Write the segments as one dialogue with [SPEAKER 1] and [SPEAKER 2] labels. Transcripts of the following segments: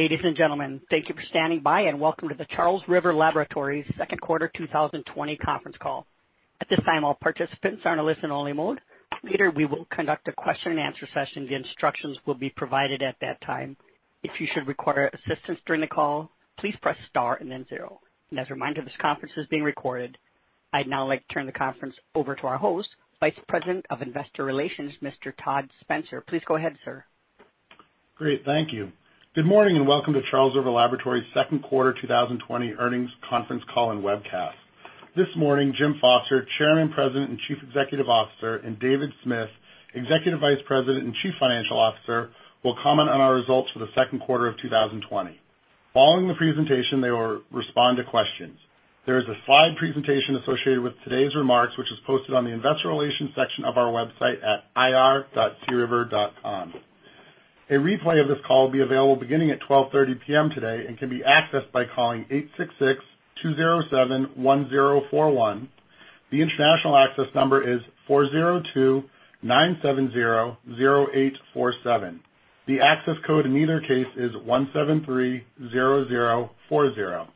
[SPEAKER 1] Ladies and gentlemen, thank you for standing by and welcome to the Charles River Laboratories Second Quarter 2020 conference call. At this time, all participants are in a listen-only mode. Later, we will conduct a question-and-answer session. The instructions will be provided at that time. If you should require assistance during the call, please press star and then zero, and as a reminder, this conference is being recorded. I'd now like to turn the conference over to our host, Vice President of Investor Relations, Mr. Todd Spencer. Please go ahead, sir.
[SPEAKER 2] Great, thank you. Good morning and welcome to Charles River Laboratories' Todd Spencer 2020 Earnings Conference Call and Webcast. This morning, Jim Foster, Chairman, President and Chief Executive Officer, and David Smith, Executive Vice President and Chief Financial Officer, will comment on our results for the second quarter of 2020. Following the presentation, they will respond to questions. There is a slide presentation associated with today's remarks, which is posted on the investor relations section of our website at ir.criver.com. A replay of this call will be available beginning at 12:30 P.M. today and can be accessed by calling 866-207-1041. The international access number is 402-970-0847. The access code in either case is 173-0040.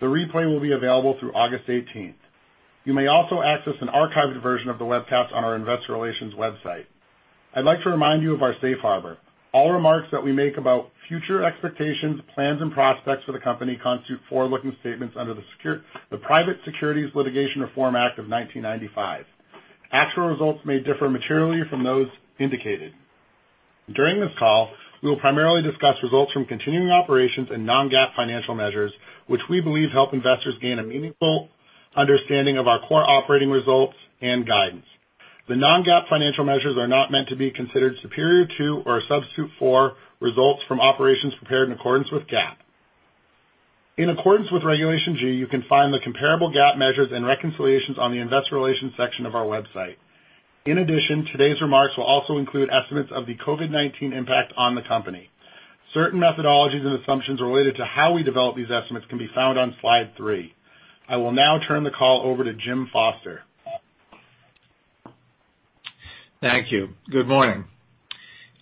[SPEAKER 2] The replay will be available through August 18th. You may also access an archived version of the webcast on our investor relations website. I'd like to remind you of our safe harbor. All remarks that we make about future expectations, plans, and prospects for the company constitute forward-looking statements under the Private Securities Litigation Reform Act of 1995. Actual results may differ materially from those indicated. During this call, we will primarily discuss results from continuing operations and non-GAAP financial measures, which we believe help investors gain a meaningful understanding of our core operating results and guidance. The non-GAAP financial measures are not meant to be considered superior to or a substitute for results from operations prepared in accordance with GAAP. In accordance with Regulation G, you can find the comparable GAAP measures and reconciliations on the investor relations section of our website. In addition, today's remarks will also include estimates of the COVID-19 impact on the company. Certain methodologies and assumptions related to how we develop these estimates can be found on slide three. I will now turn the call over to Jim Foster.
[SPEAKER 3] Thank you. Good morning.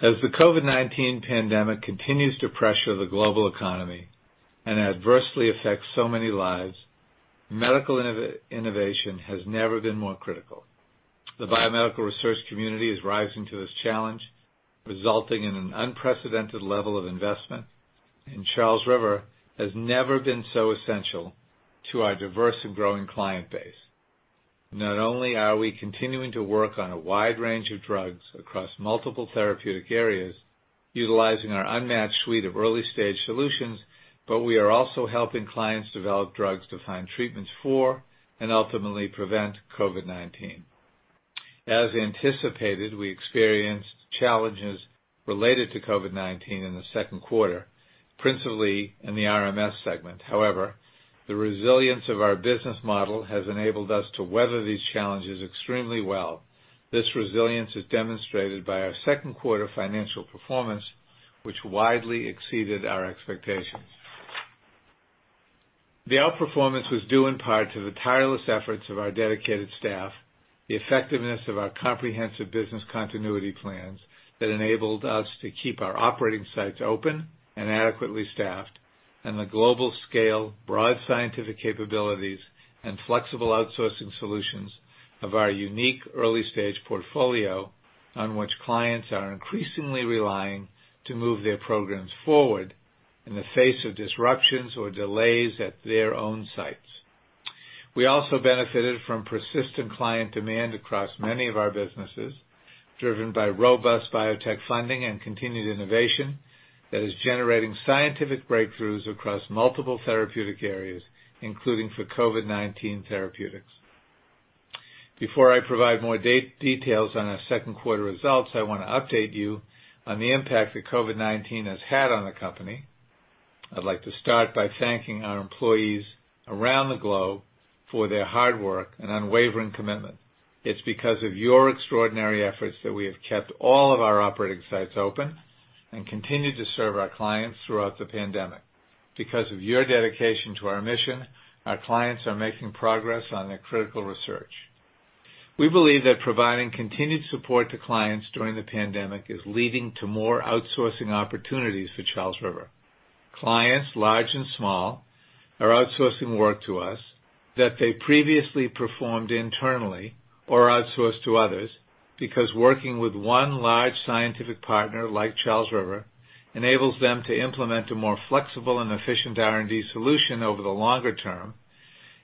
[SPEAKER 3] As the COVID-19 pandemic continues to pressure the global economy and adversely affects so many lives, medical innovation has never been more critical. The biomedical research community is rising to this challenge, resulting in an unprecedented level of investment, and Charles River has never been so essential to our diverse and growing client base. Not only are we continuing to work on a wide range of drugs across multiple therapeutic areas, utilizing our unmatched suite of early-stage solutions, but we are also helping clients develop drugs to find treatments for and ultimately prevent COVID-19. As anticipated, we experienced challenges related to COVID-19 in the second quarter, principally in the RMS segment. However, the resilience of our business model has enabled us to weather these challenges extremely well. This resilience is demonstrated by our second quarter financial performance, which widely exceeded our expectations. The outperformance was due in part to the tireless efforts of our dedicated staff, the effectiveness of our comprehensive business continuity plans that enabled us to keep our operating sites open and adequately staffed, and the global scale, broad scientific capabilities, and flexible outsourcing solutions of our unique early-stage portfolio on which clients are increasingly relying to move their programs forward in the face of disruptions or delays at their own sites. We also benefited from persistent client demand across many of our businesses, driven by robust biotech funding and continued innovation that is generating scientific breakthroughs across multiple therapeutic areas, including for COVID-19 therapeutics. Before I provide more details on our second quarter results, I want to update you on the impact that COVID-19 has had on the company. I'd like to start by thanking our employees around the globe for their hard work and unwavering commitment. It's because of your extraordinary efforts that we have kept all of our operating sites open and continued to serve our clients throughout the pandemic. Because of your dedication to our mission, our clients are making progress on their critical research. We believe that providing continued support to clients during the pandemic is leading to more outsourcing opportunities for Charles River. Clients, large and small, are outsourcing work to us that they previously performed internally or outsourced to others because working with one large scientific partner like Charles River enables them to implement a more flexible and efficient R&D solution over the longer term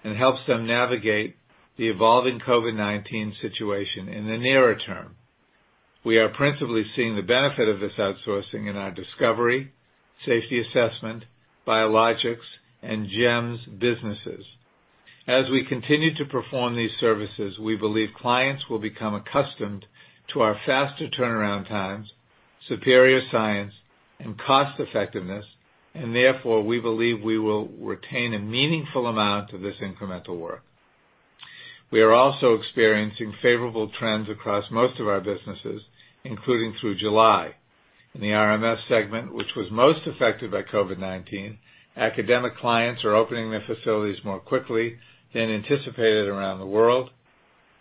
[SPEAKER 3] and helps them navigate the evolving COVID-19 situation in the nearer term. We are principally seeing the benefit of this outsourcing in our discovery, Safety Assessment, biologics, and GEMS businesses. As we continue to perform these services, we believe clients will become accustomed to our faster turnaround times, superior science, and cost-effectiveness, and therefore we believe we will retain a meaningful amount of this incremental work. We are also experiencing favorable trends across most of our businesses, including through July. In the RMS segment, which was most affected by COVID-19, academic clients are opening their facilities more quickly than anticipated around the world,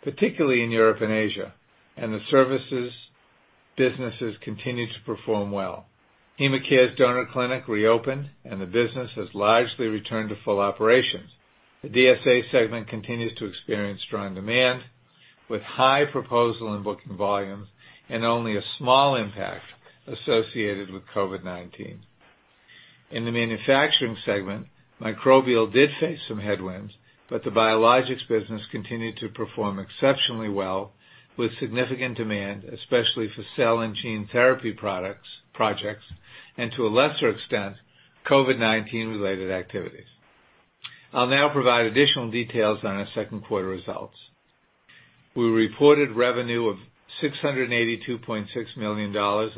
[SPEAKER 3] particularly in Europe and Asia, and the services businesses continue to perform well. HemaCare's donor clinic reopened, and the business has largely returned to full operations. The DSA segment continues to experience strong demand with high proposal and booking volumes and only a small impact associated with COVID-19. In the Manufacturing segment, Microbial did face some headwinds, but the biologics business continued to perform exceptionally well with significant demand, especially for cell and gene therapy projects, and to a lesser extent, COVID-19-related activities. I'll now provide additional details on our second quarter results. We reported revenue of $682.6 million in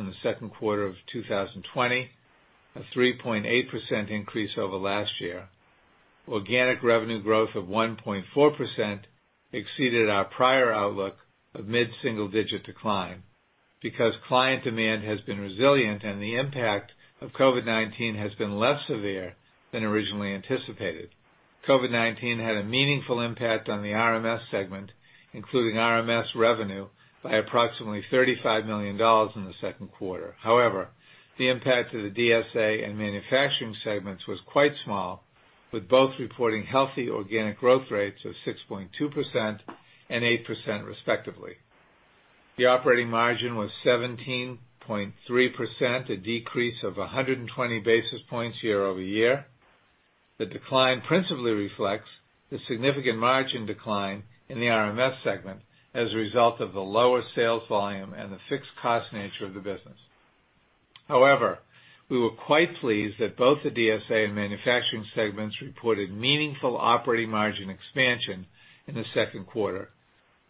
[SPEAKER 3] the second quarter of 2020, a 3.8% increase over last year. Organic revenue growth of 1.4% exceeded our prior outlook of mid-single-digit decline because client demand has been resilient and the impact of COVID-19 has been less severe than originally anticipated. COVID-19 had a meaningful impact on the RMS segment, including RMS revenue, by approximately $35 million in the second quarter. However, the impact of the DSA and Manufacturing segments was quite small, with both reporting healthy organic growth rates of 6.2% and 8% respectively. The operating margin was 17.3%, a decrease of 120 basis points year over year. The decline principally reflects the significant margin decline in the RMS segment as a result of the lower sales volume and the fixed cost nature of the business. However, we were quite pleased that both the DSA and Manufacturing segments reported meaningful operating margin expansion in the second quarter,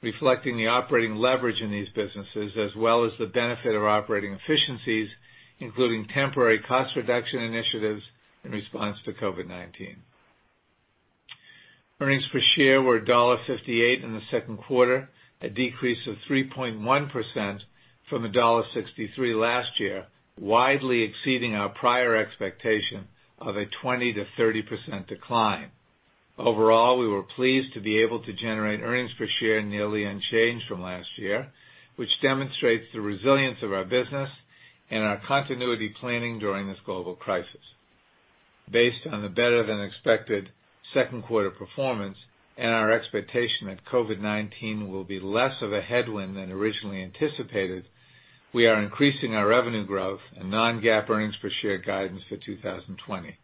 [SPEAKER 3] reflecting the operating leverage in these businesses as well as the benefit of operating efficiencies, including temporary cost reduction initiatives in response to COVID-19. Earnings per share were $1.58 in the second quarter, a decrease of 3.1% from $1.63 last year, widely exceeding our prior expectation of a 20%-30% decline. Overall, we were pleased to be able to generate earnings per share nearly unchanged from last year, which demonstrates the resilience of our business and our continuity planning during this global crisis. Based on the better-than-expected second quarter performance and our expectation that COVID-19 will be less of a headwind than originally anticipated, we are increasing our revenue growth and non-GAAP earnings per share guidance for 2020.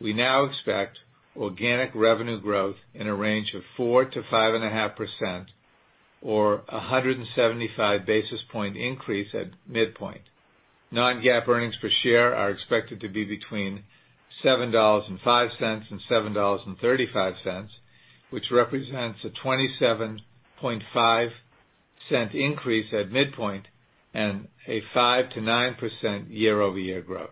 [SPEAKER 3] We now expect organic revenue growth in a range of 4%-5.5% or a 175 basis point increase at midpoint. Non-GAAP earnings per share are expected to be between $7.05 and $7.35, which represents a 27.5% increase at midpoint and a 5%-9% year-over-year growth.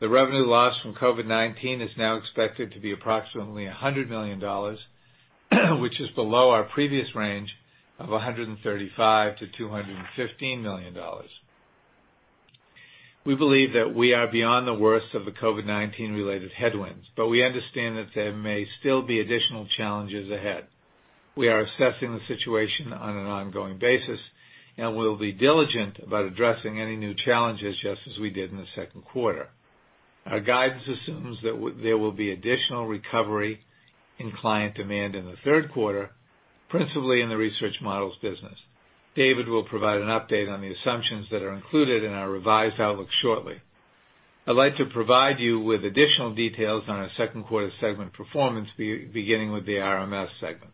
[SPEAKER 3] The revenue lost from COVID-19 is now expected to be approximately $100 million, which is below our previous range of $135-$215 million. We believe that we are beyond the worst of the COVID-19-related headwinds, but we understand that there may still be additional challenges ahead. We are assessing the situation on an ongoing basis and will be diligent about addressing any new challenges just as we did in the second quarter. Our guidance assumes that there will be additional recovery in client demand in the third quarter, principally in the Research Models business. David will provide an update on the assumptions that are included in our revised outlook shortly. I'd like to provide you with additional details on our second quarter segment performance, beginning with the RMS segment.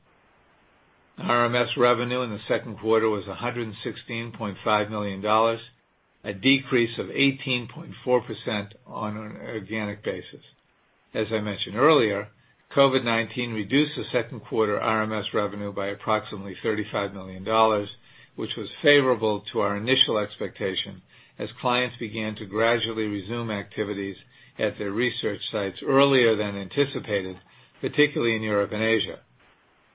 [SPEAKER 3] RMS revenue in the second quarter was $116.5 million, a decrease of 18.4% on an organic basis. As I mentioned earlier, COVID-19 reduced the second quarter RMS revenue by approximately $35 million, which was favorable to our initial expectation as clients began to gradually resume activities at their research sites earlier than anticipated, particularly in Europe and Asia.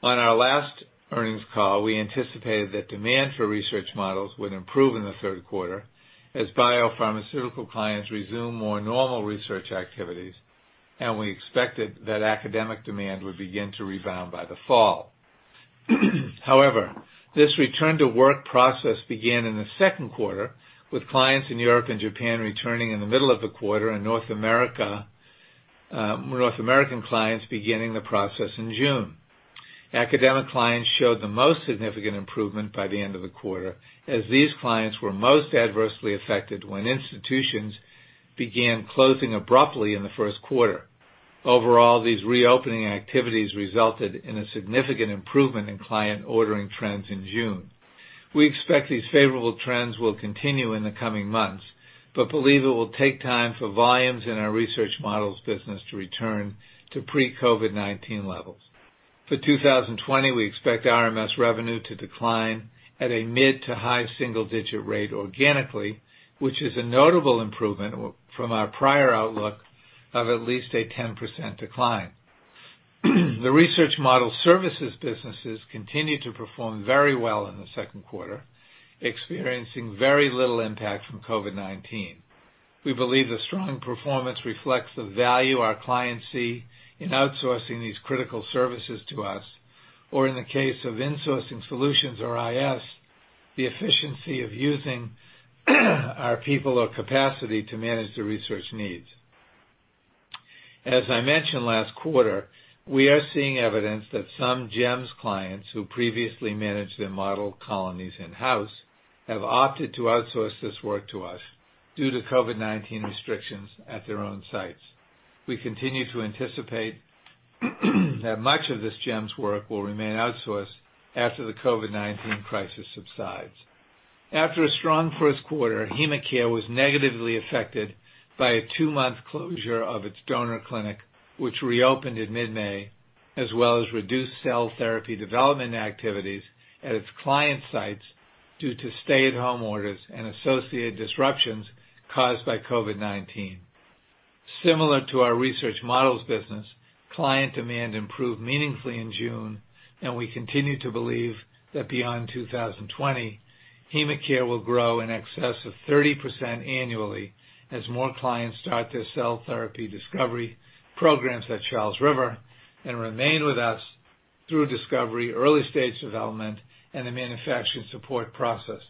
[SPEAKER 3] On our last earnings call, we anticipated that demand for Research Models would improve in the third quarter as biopharmaceutical clients resume more normal research activities, and we expected that academic demand would begin to rebound by the fall. However, this return-to-work process began in the second quarter, with clients in Europe and Japan returning in the middle of the quarter and North American clients beginning the process in June. Academic clients showed the most significant improvement by the end of the quarter as these clients were most adversely affected when institutions began closing abruptly in the first quarter. Overall, these reopening activities resulted in a significant improvement in client ordering trends in June. We expect these favorable trends will continue in the coming months but believe it will take time for volumes in our Research Models business to return to pre-COVID-19 levels. For 2020, we expect RMS revenue to decline at a mid- to high single-digit rate organically, which is a notable improvement from our prior outlook of at least a 10% decline. The Research Models services businesses continued to perform very well in the second quarter, experiencing very little impact from COVID-19. We believe the strong performance reflects the value our clients see in outsourcing these critical services to us, or in the case of Insourcing Solutions or IS, the efficiency of using our people or capacity to manage the research needs. As I mentioned last quarter, we are seeing evidence that some GEMS clients who previously managed their model colonies in-house have opted to outsource this work to us due to COVID-19 restrictions at their own sites. We continue to anticipate that much of this GEMS work will remain outsourced after the COVID-19 crisis subsides. After a strong first quarter, HemaCare was negatively affected by a two-month closure of its donor clinic, which reopened in mid-May, as well as reduced cell therapy development activities at its client sites due to stay-at-home orders and associated disruptions caused by COVID-19. Similar to our Research Models business, client demand improved meaningfully in June, and we continue to believe that beyond 2020, HemaCare will grow in excess of 30% annually as more clients start their cell therapy Discovery programs at Charles River and remain with us through Discovery, early-stage development, and the Manufacturing Support process.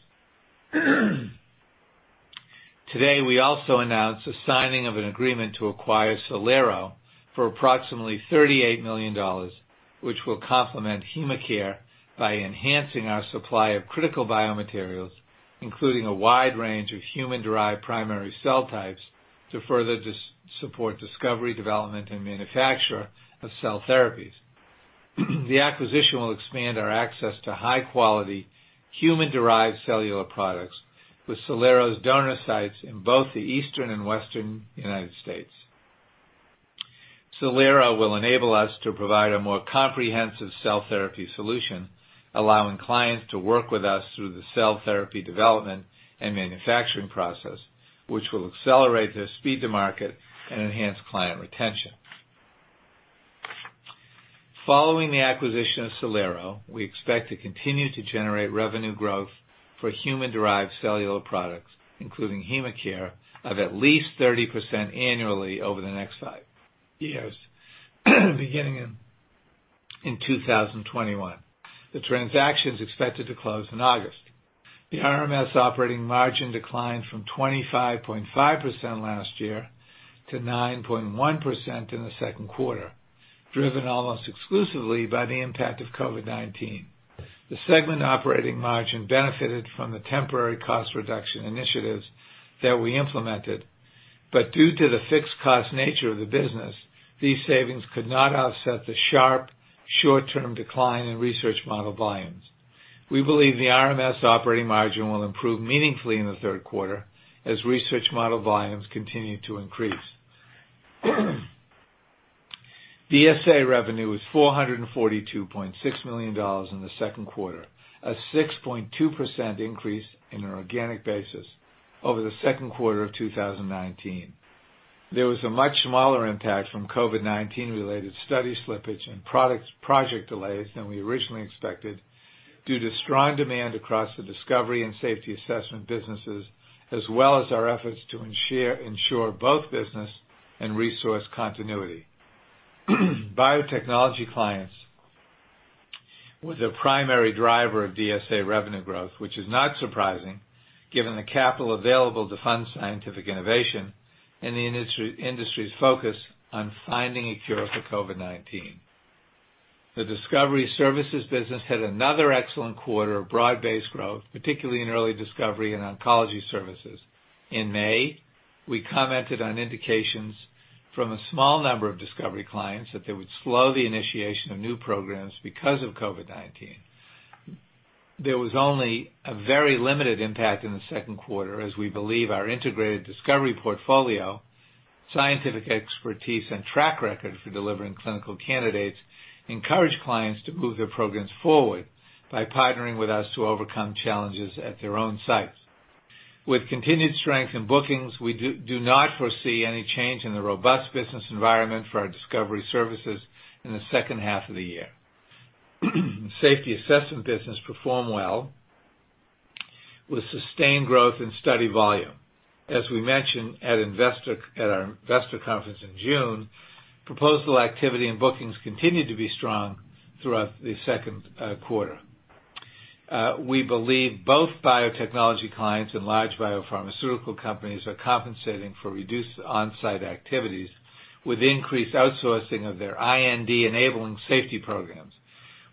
[SPEAKER 3] Today, we also announced the signing of an agreement to acquire Cellero for approximately $38 million, which will complement HemaCare by enhancing our supply of critical biomaterials, including a wide range of human-derived primary cell types to further support Discovery, development, and manufacture of cell therapies. The acquisition will expand our access to high-quality human-derived cellular products with Cellero's donor sites in both the Eastern and Western United States. Cellero will enable us to provide a more comprehensive cell therapy solution, allowing clients to work with us through the cell therapy development and manufacturing process, which will accelerate their speed to market and enhance client retention. Following the acquisition of Cellero, we expect to continue to generate revenue growth for human-derived cellular products, including HemaCare, of at least 30% annually over the next five years, beginning in 2021. The transaction is expected to close in August. The RMS operating margin declined from 25.5% last year to 9.1% in the second quarter, driven almost exclusively by the impact of COVID-19. The segment operating margin benefited from the temporary cost reduction initiatives that we implemented, but due to the fixed cost nature of the business, these savings could not offset the sharp short-term decline in research model volumes. We believe the RMS operating margin will improve meaningfully in the third quarter as research model volumes continue to increase. DSA revenue was $442.6 million in the second quarter, a 6.2% increase in an organic basis over the second quarter of 2019. There was a much smaller impact from COVID-19-related study slippage and project delays than we originally expected due to strong demand across the Discovery and Safety Assessment businesses, as well as our efforts to ensure both business and resource continuity. Biotechnology clients were the primary driver of DSA revenue growth, which is not surprising given the capital available to fund scientific innovation and the industry's focus on finding a cure for COVID-19. The Discovery Services business had another excellent quarter of broad-based growth, particularly in early Discovery and oncology services. In May, we commented on indications from a small number of Discovery clients that they would slow the initiation of new programs because of COVID-19. There was only a very limited impact in the second quarter, as we believe our integrated Discovery portfolio, scientific expertise, and track record for delivering clinical candidates encouraged clients to move their programs forward by partnering with us to overcome challenges at their own sites. With continued strength in bookings, we do not foresee any change in the robust business environment for our Discovery Services in the second half of the year. Safety Assessment business performed well with sustained growth and steady volume. As we mentioned at our investor conference in June, proposal activity and bookings continued to be strong throughout the second quarter. We believe both biotechnology clients and large biopharmaceutical companies are compensating for reduced on-site activities with increased outsourcing of their IND-enabling safety programs.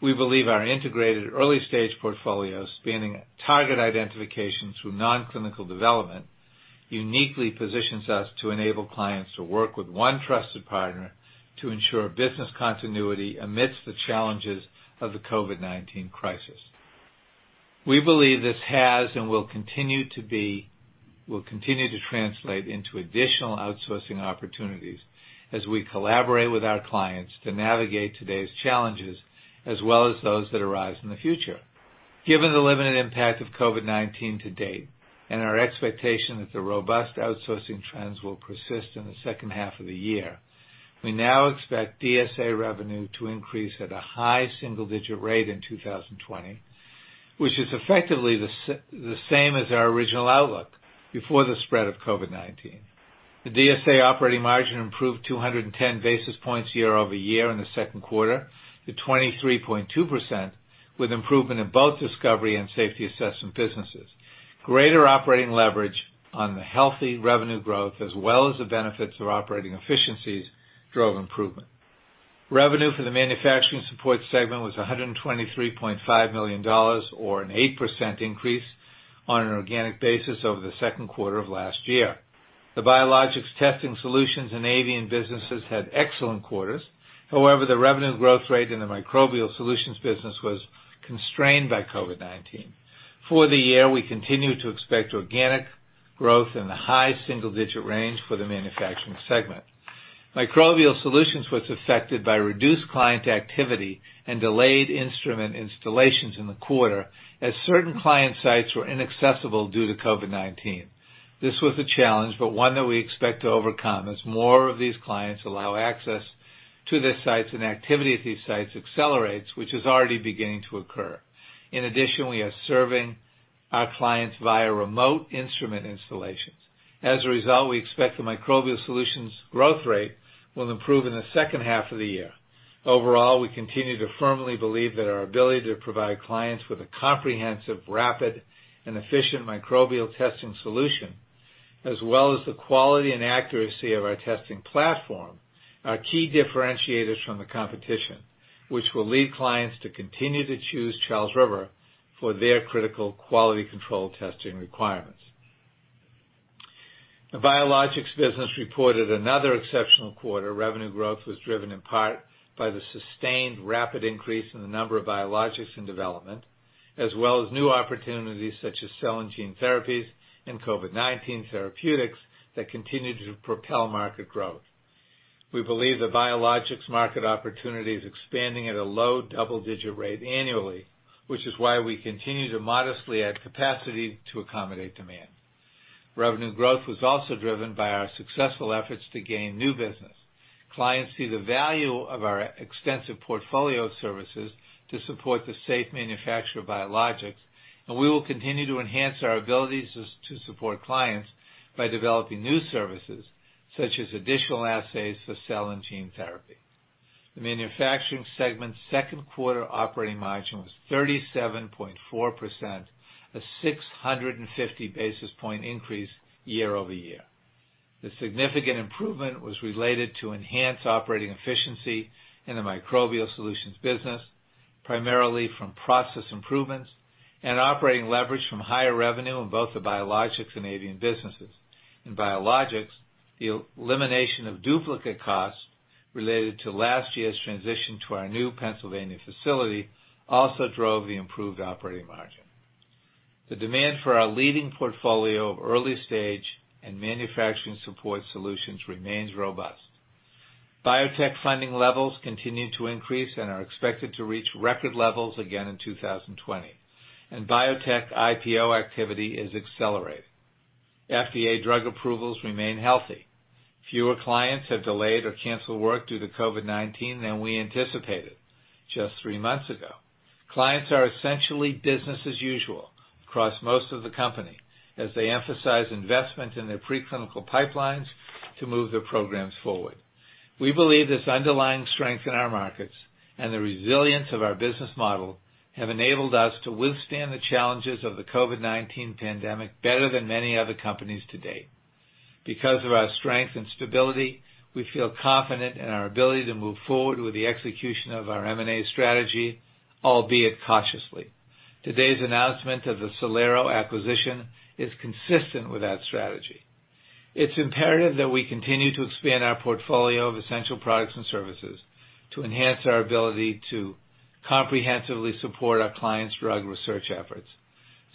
[SPEAKER 3] We believe our integrated early-stage portfolio, spanning target identification through non-clinical development, uniquely positions us to enable clients to work with one trusted partner to ensure business continuity amidst the challenges of the COVID-19 crisis. We believe this has and will continue to translate into additional outsourcing opportunities as we collaborate with our clients to navigate today's challenges as well as those that arise in the future. Given the limited impact of COVID-19 to date and our expectation that the robust outsourcing trends will persist in the second half of the year, we now expect DSA revenue to increase at a high single-digit rate in 2020, which is effectively the same as our original outlook before the spread of COVID-19. The DSA operating margin improved 210 basis points year-over-year in the second quarter to 23.2%, with improvement in both Discovery and Safety Assessment businesses. Greater operating leverage on the healthy revenue growth as well as the benefits of operating efficiencies drove improvement. Revenue for the Manufacturing Support segment was $123.5 million, or an 8% increase on an organic basis over the second quarter of last year. The Biologics Testing Solutions and Avian businesses had excellent quarters. However, the revenue growth rate in the Microbial Solutions business was constrained by COVID-19. For the year, we continue to expect organic growth in the high single-digit range for the Manufacturing segment. Microbial Solutions were affected by reduced client activity and delayed instrument installations in the quarter as certain client sites were inaccessible due to COVID-19. This was a challenge, but one that we expect to overcome as more of these clients allow access to their sites and activity at these sites accelerates, which is already beginning to occur. In addition, we are serving our clients via remote instrument installations. As a result, we expect the Microbial Solutions growth rate will improve in the second half of the year. Overall, we continue to firmly believe that our ability to provide clients with a comprehensive, rapid, and efficient Microbial testing solution, as well as the quality and accuracy of our testing platform, are key differentiators from the competition, which will lead clients to continue to choose Charles River for their critical quality control testing requirements. The Biologics business reported another exceptional quarter. Revenue growth was driven in part by the sustained rapid increase in the number of Biologics in development, as well as new opportunities such as cell and gene therapies and COVID-19 therapeutics that continue to propel market growth. We believe the Biologics market opportunity is expanding at a low double-digit rate annually, which is why we continue to modestly add capacity to accommodate demand. Revenue growth was also driven by our successful efforts to gain new business. Clients see the value of our extensive portfolio of services to support the safe manufacture of Biologics, and we will continue to enhance our abilities to support clients by developing new services such as additional assays for cell and gene therapy. The Manufacturing segment's second quarter operating margin was 37.4%, a 650 basis point increase year-over-year. The significant improvement was related to enhanced operating efficiency in the Microbial Solutions business, primarily from process improvements, and operating leverage from higher revenue in both the Biologics and Avian businesses. In Biologics, the elimination of duplicate costs related to last year's transition to our new Pennsylvania facility also drove the improved operating margin. The demand for our leading portfolio of early-stage and Manufacturing Support solutions remains robust. Biotech funding levels continue to increase and are expected to reach record levels again in 2020, and biotech IPO activity is accelerating. FDA drug approvals remain healthy. Fewer clients have delayed or canceled work due to COVID-19 than we anticipated just three months ago. Clients are essentially business as usual across most of the company as they emphasize investment in their preclinical pipelines to move their programs forward. We believe this underlying strength in our markets and the resilience of our business model have enabled us to withstand the challenges of the COVID-19 pandemic better than many other companies to date. Because of our strength and stability, we feel confident in our ability to move forward with the execution of our M&A strategy, albeit cautiously. Today's announcement of the Cellero acquisition is consistent with that strategy. It's imperative that we continue to expand our portfolio of essential products and services to enhance our ability to comprehensively support our clients' drug research efforts.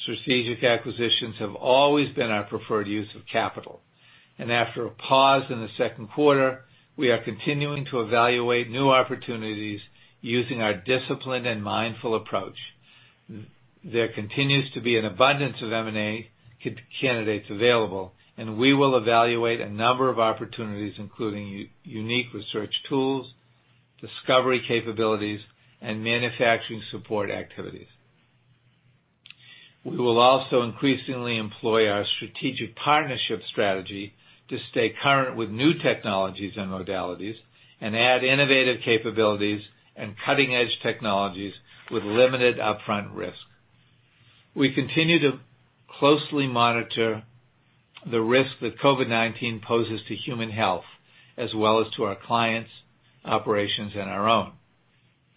[SPEAKER 3] Strategic acquisitions have always been our preferred use of capital, and after a pause in the second quarter, we are continuing to evaluate new opportunities using our disciplined and mindful approach. There continues to be an abundance of M&A candidates available, and we will evaluate a number of opportunities, including unique research tools, Discovery capabilities, and Manufacturing Support activities. We will also increasingly employ our strategic partnership strategy to stay current with new technologies and modalities, and add innovative capabilities and cutting-edge technologies with limited upfront risk. We continue to closely monitor the risk that COVID-19 poses to human health, as well as to our clients' operations and our own.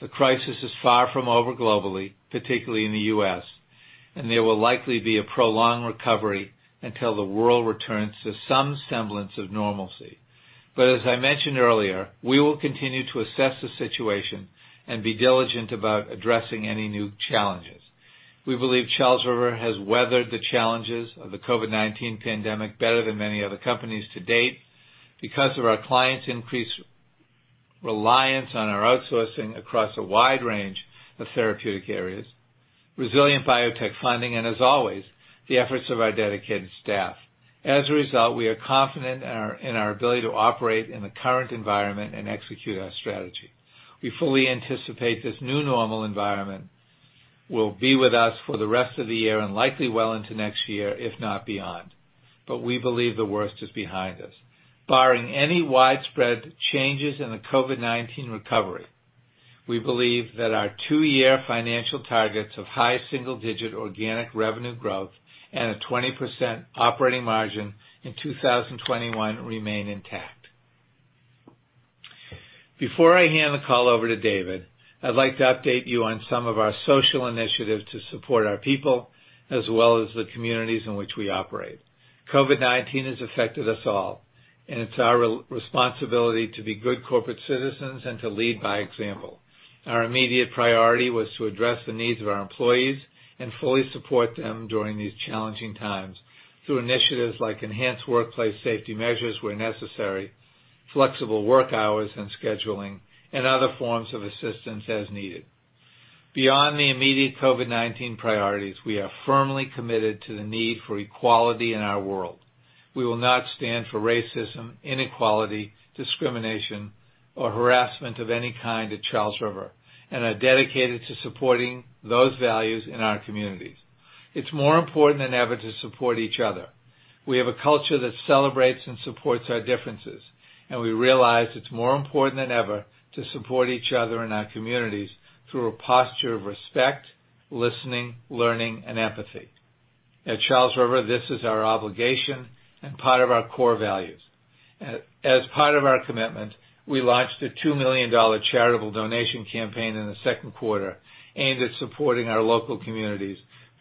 [SPEAKER 3] The crisis is far from over globally, particularly in the U.S., and there will likely be a prolonged recovery until the world returns to some semblance of normalcy. But as I mentioned earlier, we will continue to assess the situation and be diligent about addressing any new challenges. We believe Charles River has weathered the challenges of the COVID-19 pandemic better than many other companies to date because of our clients' increased reliance on our outsourcing across a wide range of therapeutic areas, resilient biotech funding, and, as always, the efforts of our dedicated staff. As a result, we are confident in our ability to operate in the current environment and execute our strategy. We fully anticipate this new normal environment will be with us for the rest of the year and likely well into next year, if not beyond, but we believe the worst is behind us. Barring any widespread changes in the COVID-19 recovery, we believe that our two-year financial targets of high single-digit organic revenue growth and a 20% operating margin in 2021 remain intact. Before I hand the call over to David, I'd like to update you on some of our social initiatives to support our people as well as the communities in which we operate. COVID-19 has affected us all, and it's our responsibility to be good corporate citizens and to lead by example. Our immediate priority was to address the needs of our employees and fully support them during these challenging times through initiatives like enhanced workplace safety measures where necessary, flexible work hours and scheduling, and other forms of assistance as needed. Beyond the immediate COVID-19 priorities, we are firmly committed to the need for equality in our world. We will not stand for racism, inequality, discrimination, or harassment of any kind at Charles River, and are dedicated to supporting those values in our communities. It's more important than ever to support each other. We have a culture that celebrates and supports our differences, and we realize it's more important than ever to support each other in our communities through a posture of respect, listening, learning, and empathy. At Charles River, this is our obligation and part of our core values. As part of our commitment, we launched a $2 million charitable donation campaign in the second quarter aimed at supporting our local communities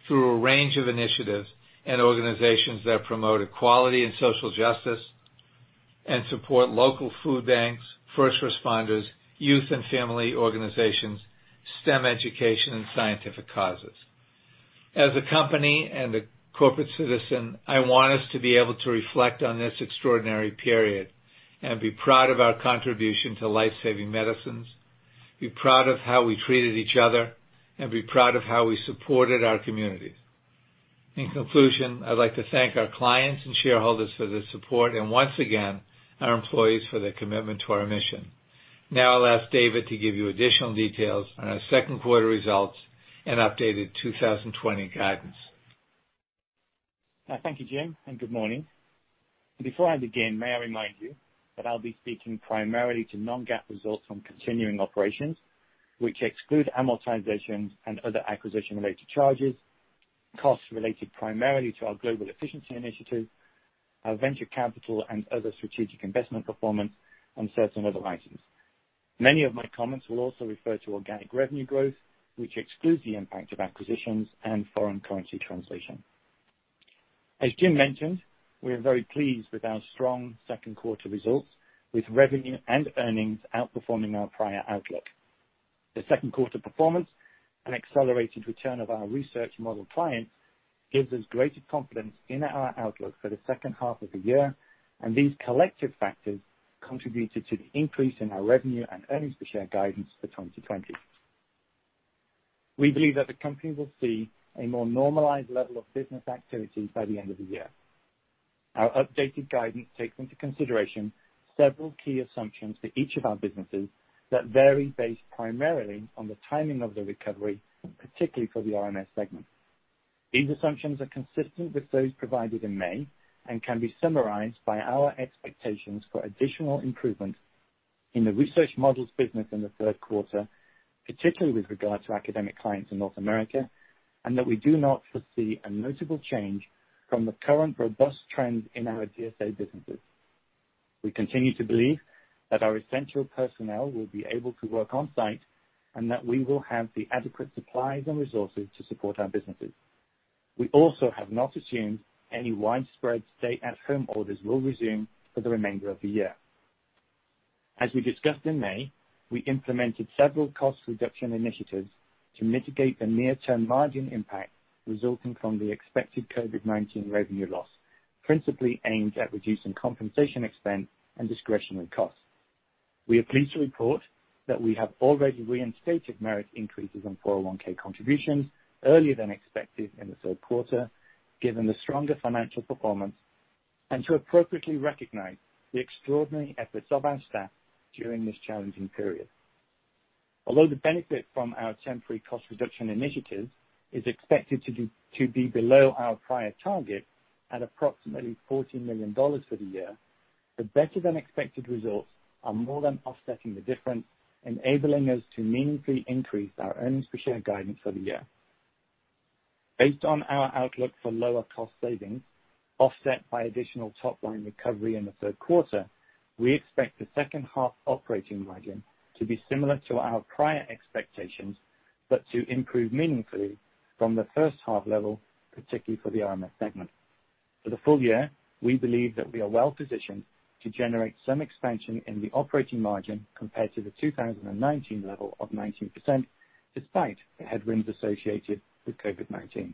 [SPEAKER 3] through a range of initiatives and organizations that promote equality and social justice and support local food banks, first responders, youth and family organizations, STEM education, and scientific causes. As a company and a corporate citizen, I want us to be able to reflect on this extraordinary period and be proud of our contribution to lifesaving medicines, be proud of how we treated each other, and be proud of how we supported our communities. In conclusion, I'd like to thank our clients and shareholders for their support, and once again, our employees for their commitment to our mission. Now I'll ask David to give you additional details on our second quarter results and updated 2020 guidance.
[SPEAKER 4] Thank you, Jim, and good morning. Before I begin, may I remind you that I'll be speaking primarily to non-GAAP results on continuing operations, which exclude amortizations and other acquisition-related charges, costs related primarily to our global efficiency initiative, our venture capital, and other strategic investment performance, and certain other items. Many of my comments will also refer to organic revenue growth, which excludes the impact of acquisitions and foreign currency translation. As Jim mentioned, we are very pleased with our strong second quarter results, with revenue and earnings outperforming our prior outlook. The second quarter performance and accelerated return of our research model clients gives us greater confidence in our outlook for the second half of the year, and these collective factors contributed to the increase in our revenue and earnings per share guidance for 2020. We believe that the company will see a more normalized level of business activity by the end of the year. Our updated guidance takes into consideration several key assumptions for each of our businesses that vary based primarily on the timing of the recovery, particularly for the RMS segment. These assumptions are consistent with those provided in May and can be summarized by our expectations for additional improvement in the Research Models business in the third quarter, particularly with regard to academic clients in North America, and that we do not foresee a notable change from the current robust trends in our DSA businesses. We continue to believe that our essential personnel will be able to work on-site and that we will have the adequate supplies and resources to support our businesses. We also have not assumed any widespread stay-at-home orders will resume for the remainder of the year. As we discussed in May, we implemented several cost reduction initiatives to mitigate the near-term margin impact resulting from the expected COVID-19 revenue loss, principally aimed at reducing compensation expense and discretionary costs. We are pleased to report that we have already reinstated merit increases on 401(k) contributions earlier than expected in the third quarter, given the stronger financial performance, and to appropriately recognize the extraordinary efforts of our staff during this challenging period. Although the benefit from our temporary cost reduction initiatives is expected to be below our prior target at approximately $14 million for the year, the better-than-expected results are more than offsetting the difference, enabling us to meaningfully increase our earnings per share guidance for the year. Based on our outlook for lower cost savings, offset by additional top-line recovery in the third quarter, we expect the second half operating margin to be similar to our prior expectations but to improve meaningfully from the first half level, particularly for the RMS segment. For the full year, we believe that we are well-positioned to generate some expansion in the operating margin compared to the 2019 level of 19%, despite the headwinds associated with COVID-19.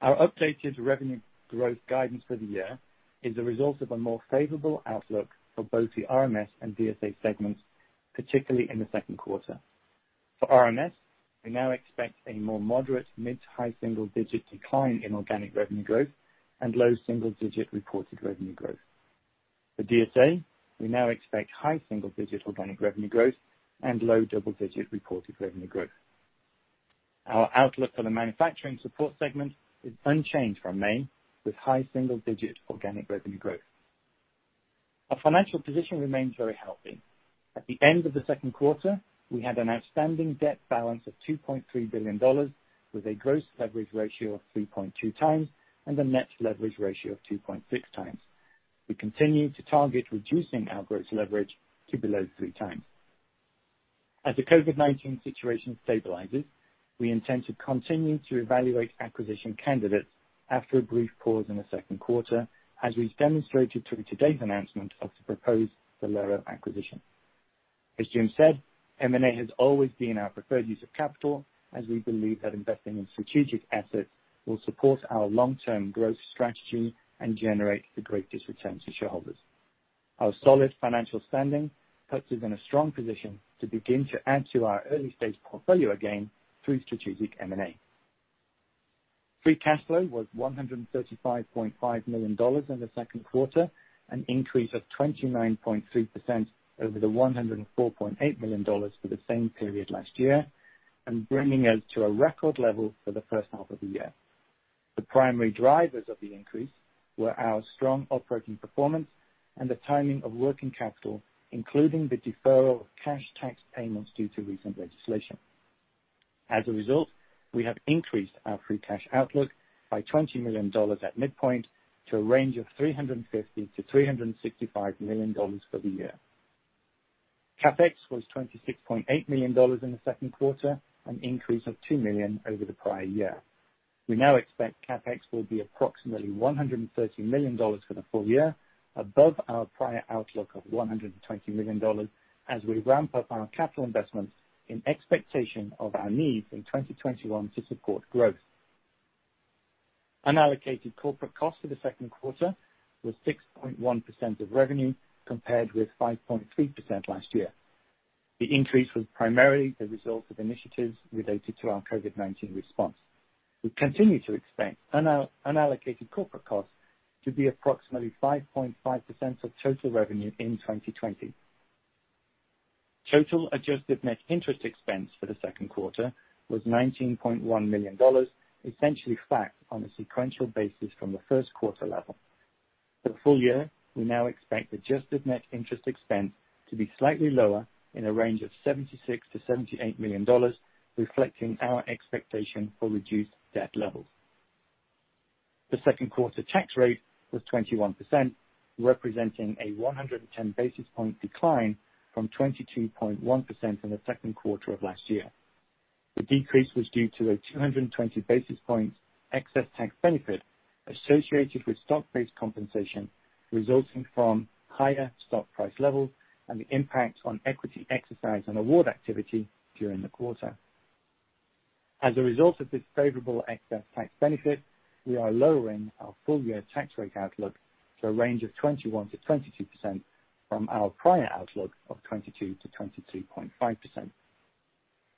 [SPEAKER 4] Our updated revenue growth guidance for the year is the result of a more favorable outlook for both the RMS and DSA segments, particularly in the second quarter. For RMS, we now expect a more moderate mid-to-high single-digit decline in organic revenue growth and low single-digit reported revenue growth. For DSA, we now expect high single-digit organic revenue growth and low double-digit reported revenue growth. Our outlook for the Manufacturing Support segment is unchanged from May, with high single-digit organic revenue growth. Our financial position remains very healthy. At the end of the second quarter, we had an outstanding debt balance of $2.3 billion, with a gross leverage ratio of 3.2 times and a net leverage ratio of 2.6 times. We continue to target reducing our gross leverage to below 3 times. As the COVID-19 situation stabilizes, we intend to continue to evaluate acquisition candidates after a brief pause in the second quarter, as we've demonstrated through today's announcement of the proposed Cellero acquisition. As Jim said, M&A has always been our preferred use of capital, as we believe that investing in strategic assets will support our long-term growth strategy and generate the greatest returns for shareholders. Our solid financial standing puts us in a strong position to begin to add to our early-stage portfolio again through strategic M&A. Free cash flow was $135.5 million in the second quarter, an increase of 29.3% over the $104.8 million for the same period last year, and bringing us to a record level for the first half of the year. The primary drivers of the increase were our strong operating performance and the timing of working capital, including the deferral of cash tax payments due to recent legislation. As a result, we have increased our free cash outlook by $20 million at midpoint to a range of $350-$365 million for the year. CapEx was $26.8 million in the second quarter, an increase of $2 million over the prior year. We now expect CapEx will be approximately $130 million for the full year, above our prior outlook of $120 million, as we ramp up our capital investments in expectation of our needs in 2021 to support growth. Unallocated corporate costs for the second quarter were 6.1% of revenue, compared with 5.3% last year. The increase was primarily the result of initiatives related to our COVID-19 response. We continue to expect unallocated corporate costs to be approximately 5.5% of total revenue in 2020. Total adjusted net interest expense for the second quarter was $19.1 million, essentially flat on a sequential basis from the first quarter level. For the full year, we now expect adjusted net interest expense to be slightly lower in a range of $76-$78 million, reflecting our expectation for reduced debt levels. The second quarter tax rate was 21%, representing a 110 basis point decline from 22.1% in the second quarter of last year. The decrease was due to a 220 basis point excess tax benefit associated with stock-based compensation resulting from higher stock price levels and the impact on equity exercise and award activity during the quarter. As a result of this favorable excess tax benefit, we are lowering our full-year tax rate outlook to a range of 21%-22% from our prior outlook of 22%-23.5%.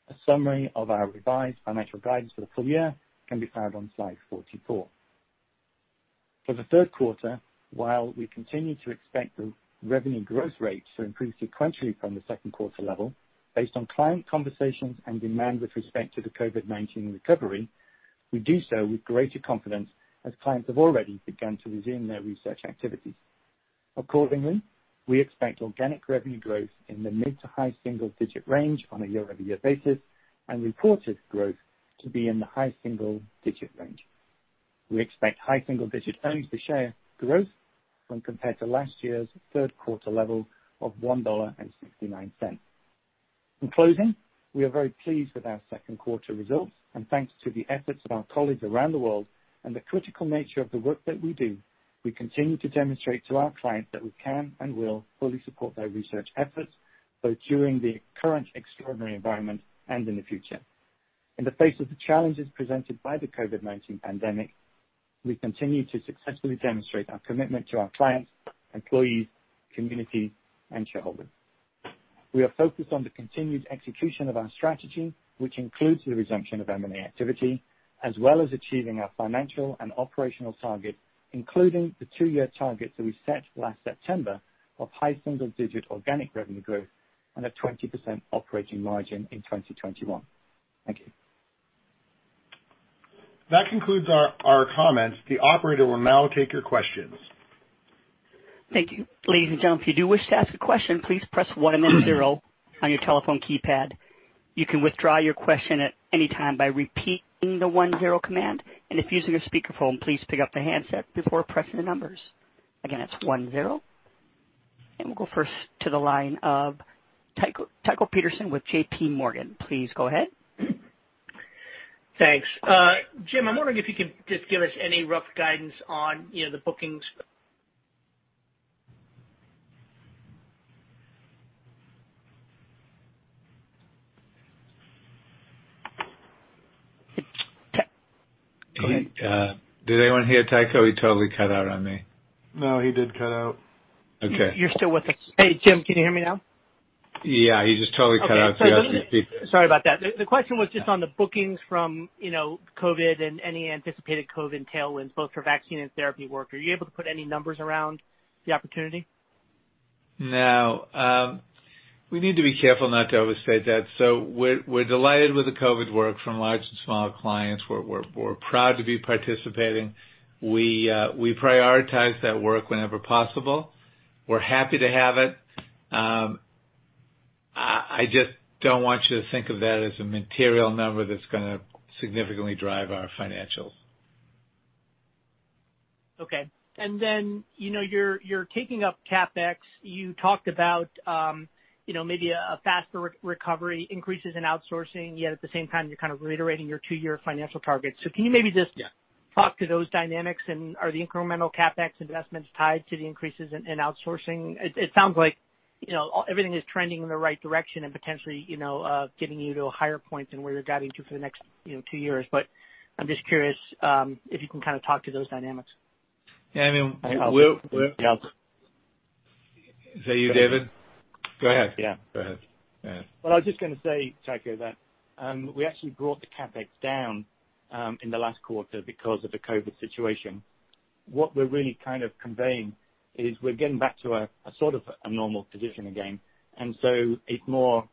[SPEAKER 4] A summary of our revised financial guidance for the full year can be found on slide 44. For the third quarter, while we continue to expect the revenue growth rate to improve sequentially from the second quarter level, based on client conversations and demand with respect to the COVID-19 recovery, we do so with greater confidence as clients have already begun to resume their research activities. Accordingly, we expect organic revenue growth in the mid to high single-digit range on a year-over-year basis and reported growth to be in the high single-digit range. We expect high single-digit earnings per share growth when compared to last year's third quarter level of $1.69. In closing, we are very pleased with our second quarter results, and thanks to the efforts of our colleagues around the world and the critical nature of the work that we do, we continue to demonstrate to our clients that we can and will fully support their research efforts, both during the current extraordinary environment and in the future. In the face of the challenges presented by the COVID-19 pandemic, we continue to successfully demonstrate our commitment to our clients, employees, community, and shareholders. We are focused on the continued execution of our strategy, which includes the resumption of M&A activity, as well as achieving our financial and operational targets, including the two-year targets that we set last September of high single-digit organic revenue growth and a 20% operating margin in 2021. Thank you.
[SPEAKER 2] That concludes our comments. The operator will now take your questions.
[SPEAKER 1] Thank you. Ladies and gentlemen, if you do wish to ask a question, please press 1 and then 0 on your telephone keypad. You can withdraw your question at any time by repeating the 1-0 command. And if using a speakerphone, please pick up the handset before pressing the numbers. Again, that's 1-0. And we'll go first to the line of Tycho Peterson with J.P. Morgan. Please go ahead.
[SPEAKER 5] Thanks. Jim, I'm wondering if you can just give us any rough guidance on the bookings. Go ahead.
[SPEAKER 3] Did anyone hear Tycho? He totally cut out on me.
[SPEAKER 4] No, he did cut out. Okay.
[SPEAKER 5] You're still with us. Hey, Jim, can you hear me now?
[SPEAKER 3] Yeah, he just totally cut out.
[SPEAKER 5] Sorry about that. The question was just on the bookings from COVID and any anticipated COVID tailwinds, both for vaccine and therapy work. Are you able to put any numbers around the opportunity?
[SPEAKER 3] No. We need to be careful not to overstate that. So we're delighted with the COVID work from large and small clients. We're proud to be participating. We prioritize that work whenever possible. We're happy to have it. I just don't want you to think of that as a material number that's going to significantly drive our financials.
[SPEAKER 5] Okay. And then you're taking up CapEx. You talked about maybe a faster recovery, increases in outsourcing, yet at the same time, you're kind of reiterating your two-year financial targets. So can you maybe just talk to those dynamics? And are the incremental CapEx investments tied to the increases in outsourcing? It sounds like everything is trending in the right direction and potentially getting you to a higher point than where you're guiding to for the next two years. But I'm just curious if you can kind of talk to those dynamics.
[SPEAKER 3] Yeah, I mean, we're. Is that you, David? Go ahead. Yeah, go ahead.
[SPEAKER 4] Well, I was just going to say, Tycho, that we actually brought the CapEx down in the last quarter because of the COVID situation. What we're really kind of conveying is we're getting back to a sort of a normal position again. And so it's more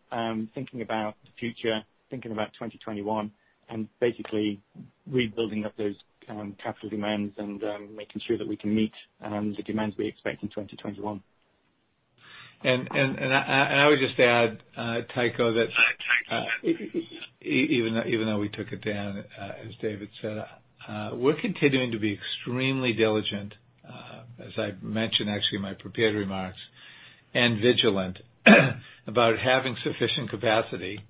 [SPEAKER 4] thinking about the future, thinking about 2021, and basically rebuilding up those capital demands and making sure that we can meet the demands we expect in 2021.
[SPEAKER 3] I would just add, Tycho, that even though we took it down, as David said, we're continuing to be extremely diligent, as I mentioned actually in my prepared remarks, and vigilant about having sufficient capacity,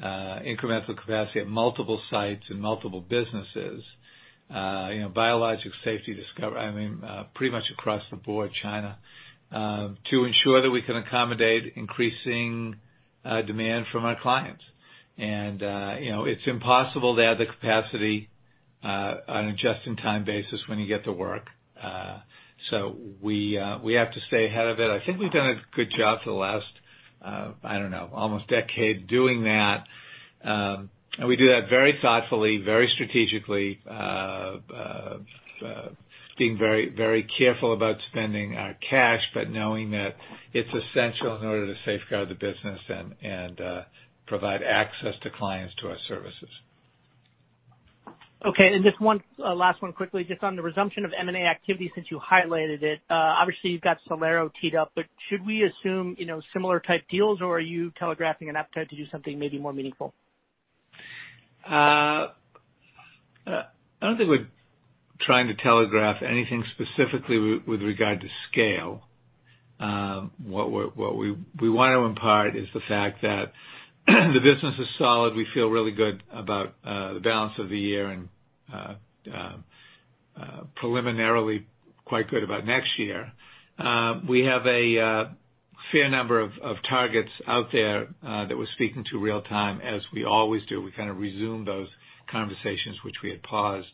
[SPEAKER 3] incremental capacity at multiple sites and multiple businesses, biologic safety Discovery. I mean, pretty much across the board, China, to ensure that we can accommodate increasing demand from our clients. And it's impossible to have the capacity on a just-in-time basis when you get the work. So we have to stay ahead of it. I think we've done a good job for the last, I don't know, almost decade doing that. And we do that very thoughtfully, very strategically, being very careful about spending our cash, but knowing that it's essential in order to safeguard the business and provide access to clients to our services.
[SPEAKER 5] Okay. And just one last one quickly, just on the resumption of M&A activity since you highlighted it. Obviously, you've got Cellero teed up, but should we assume similar type deals, or are you telegraphing an appetite to do something maybe more meaningful?
[SPEAKER 3] I don't think we're trying to telegraph anything specifically with regard to scale. What we want to impart is the fact that the business is solid. We feel really good about the balance of the year and preliminarily quite good about next year. We have a fair number of targets out there that we're speaking to real-time as we always do. We kind of resumed those conversations, which we had paused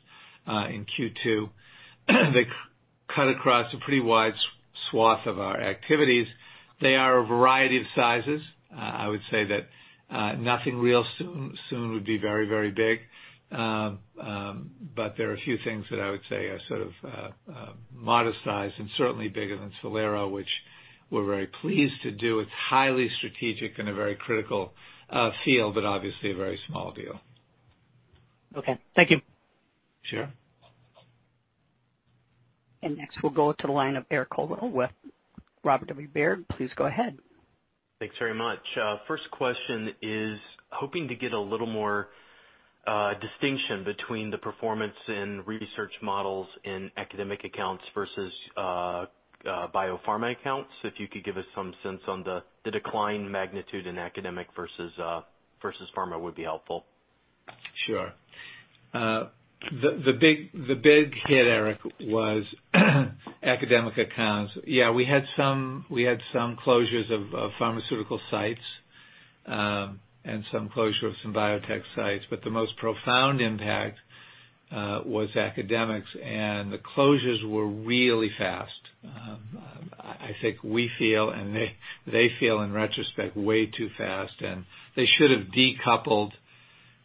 [SPEAKER 3] in Q2. They cut across a pretty wide swath of our activities. They are a variety of sizes. I would say that nothing real soon would be very, very big. But there are a few things that I would say are sort of modest size and certainly bigger than Cellero, which we're very pleased to do. It's highly strategic in a very critical field, but obviously a very small deal.
[SPEAKER 5] Okay. Thank you.
[SPEAKER 3] Sure.
[SPEAKER 1] And next, we'll go to the line of Eric Coldwell with Robert W. Baird. Please go ahead.
[SPEAKER 6] Thanks very much. First question is hoping to get a little more distinction between the performance in Research Models in academic accounts versus biopharma accounts. If you could give us some sense on the decline magnitude in academic versus pharma would be helpful.
[SPEAKER 3] Sure. The big hit, Eric, was academic accounts. Yeah, we had some closures of pharmaceutical sites and some closure of some biotech sites. But the most profound impact was academics, and the closures were really fast. I think we feel, and they feel in retrospect, way too fast, and they should have decoupled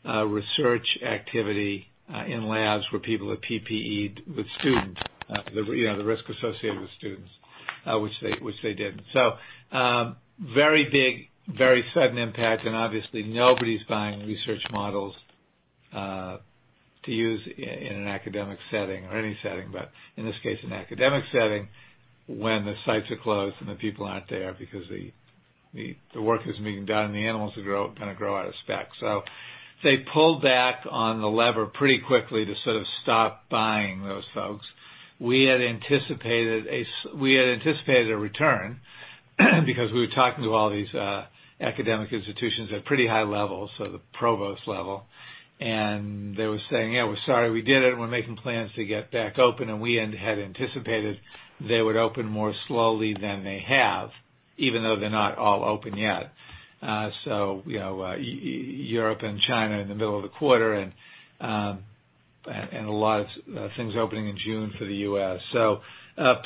[SPEAKER 3] research activity in labs where people have PPE with students, the risk associated with students. Which they didn't, so very big, very sudden impact, and obviously, nobody's buying Research Models to use in an academic setting or any setting, but in this case, an academic setting when the sites are closed and the people aren't there because the work isn't being done, and the animals are going to grow out of spec, so they pulled back on the lever pretty quickly to sort of stop buying those folks. We had anticipated a return because we were talking to all these academic institutions at pretty high levels, so the provost level, and they were saying, "Yeah, we're sorry we did it. We're making plans to get back open," and we had anticipated they would open more slowly than they have, even though they're not all open yet. So, Europe and China in the middle of the quarter, and a lot of things opening in June for the US, so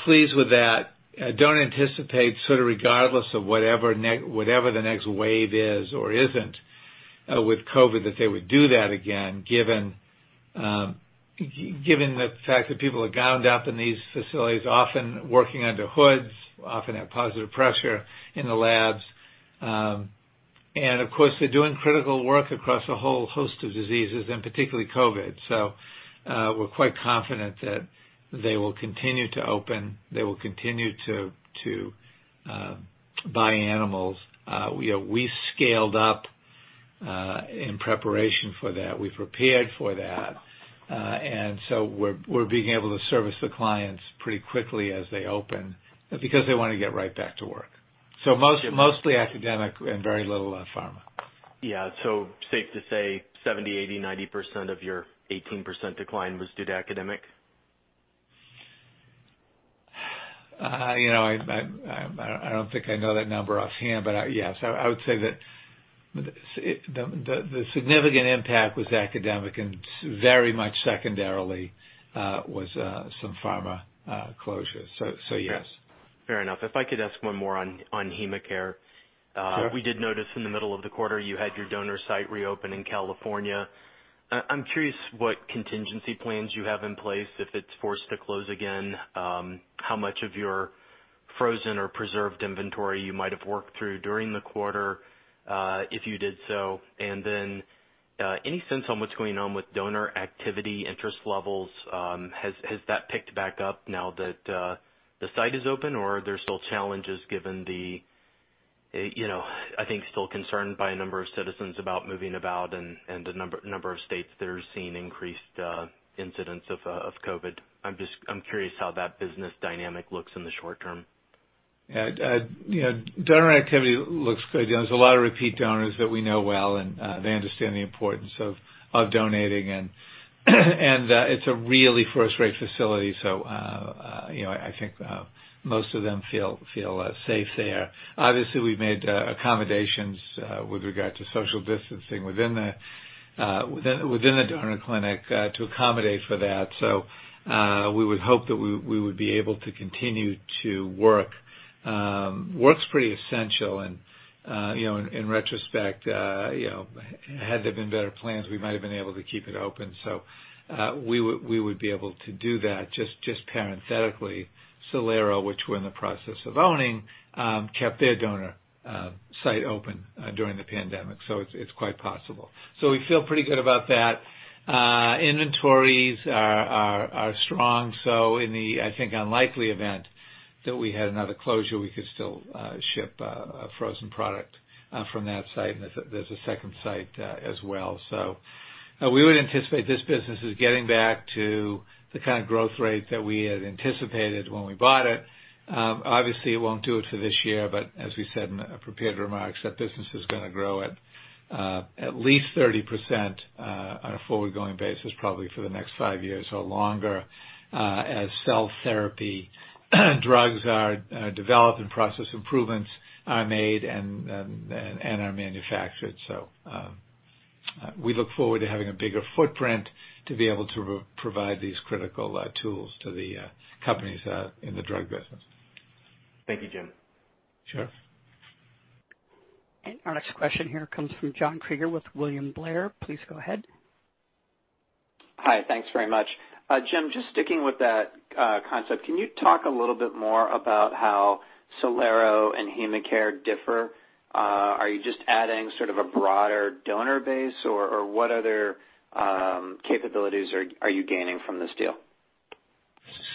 [SPEAKER 3] pleased with that. Don't anticipate, sort of regardless of whatever the next wave is or isn't with COVID, that they would do that again, given the fact that people are gowned up in these facilities, often working under hoods, often have positive pressure in the labs. And of course, they're doing critical work across a whole host of diseases and particularly COVID, so we're quite confident that they will continue to open. They will continue to buy animals. We scaled up in preparation for that. We prepared for that. And so we're being able to service the clients pretty quickly as they open because they want to get right back to work. So mostly academic and very little pharma.
[SPEAKER 6] Yeah. So safe to say 70%, 80%, 90% of your 18% decline was due to academic?
[SPEAKER 3] I don't think I know that number offhand, but yes. I would say that the significant impact was academic, and very much secondarily was some pharma closures. So yes.
[SPEAKER 6] Fair enough. If I could ask one more on HemaCare. We did notice in the middle of the quarter you had your donor site reopen in California. I'm curious what contingency plans you have in place if it's forced to close again, how much of your frozen or preserved inventory you might have worked through during the quarter if you did so. Any sense on what's going on with donor activity interest levels? Has that picked back up now that the site is open, or are there still challenges given the, I think, still concern by a number of citizens about moving about and the number of states they're seeing increased incidents of COVID? I'm curious how that business dynamic looks in the short term.
[SPEAKER 3] Donor activity looks good. There's a lot of repeat donors that we know well, and they understand the importance of donating. It's a really first-rate facility. I think most of them feel safe there. Obviously, we've made accommodations with regard to social distancing within the donor clinic to accommodate for that. We would hope that we would be able to continue to work. Work's pretty essential. And in retrospect, had there been better plans, we might have been able to keep it open. So we would be able to do that. Just parenthetically, Cellero, which we're in the process of owning, kept their donor site open during the pandemic. So it's quite possible. So we feel pretty good about that. Inventories are strong. So in the, I think, unlikely event that we had another closure, we could still ship a frozen product from that site. And there's a second site as well. So we would anticipate this business is getting back to the kind of growth rate that we had anticipated when we bought it. Obviously, it won't do it for this year, but as we said in prepared remarks, that business is going to grow at least 30% on a forward-going basis, probably for the next five years or longer as cell therapy drugs are developed and process improvements are made and are manufactured. So we look forward to having a bigger footprint to be able to provide these critical tools to the companies in the drug business.
[SPEAKER 6] Thank you, Jim.
[SPEAKER 3] Sure.
[SPEAKER 1] And our next question here comes from John Kreger with William Blair. Please go ahead.
[SPEAKER 7] Hi. Thanks very much. Jim, just sticking with that concept, can you talk a little bit more about how Cellero and HemaCare differ? Are you just adding sort of a broader donor base, or what other capabilities are you gaining from this deal?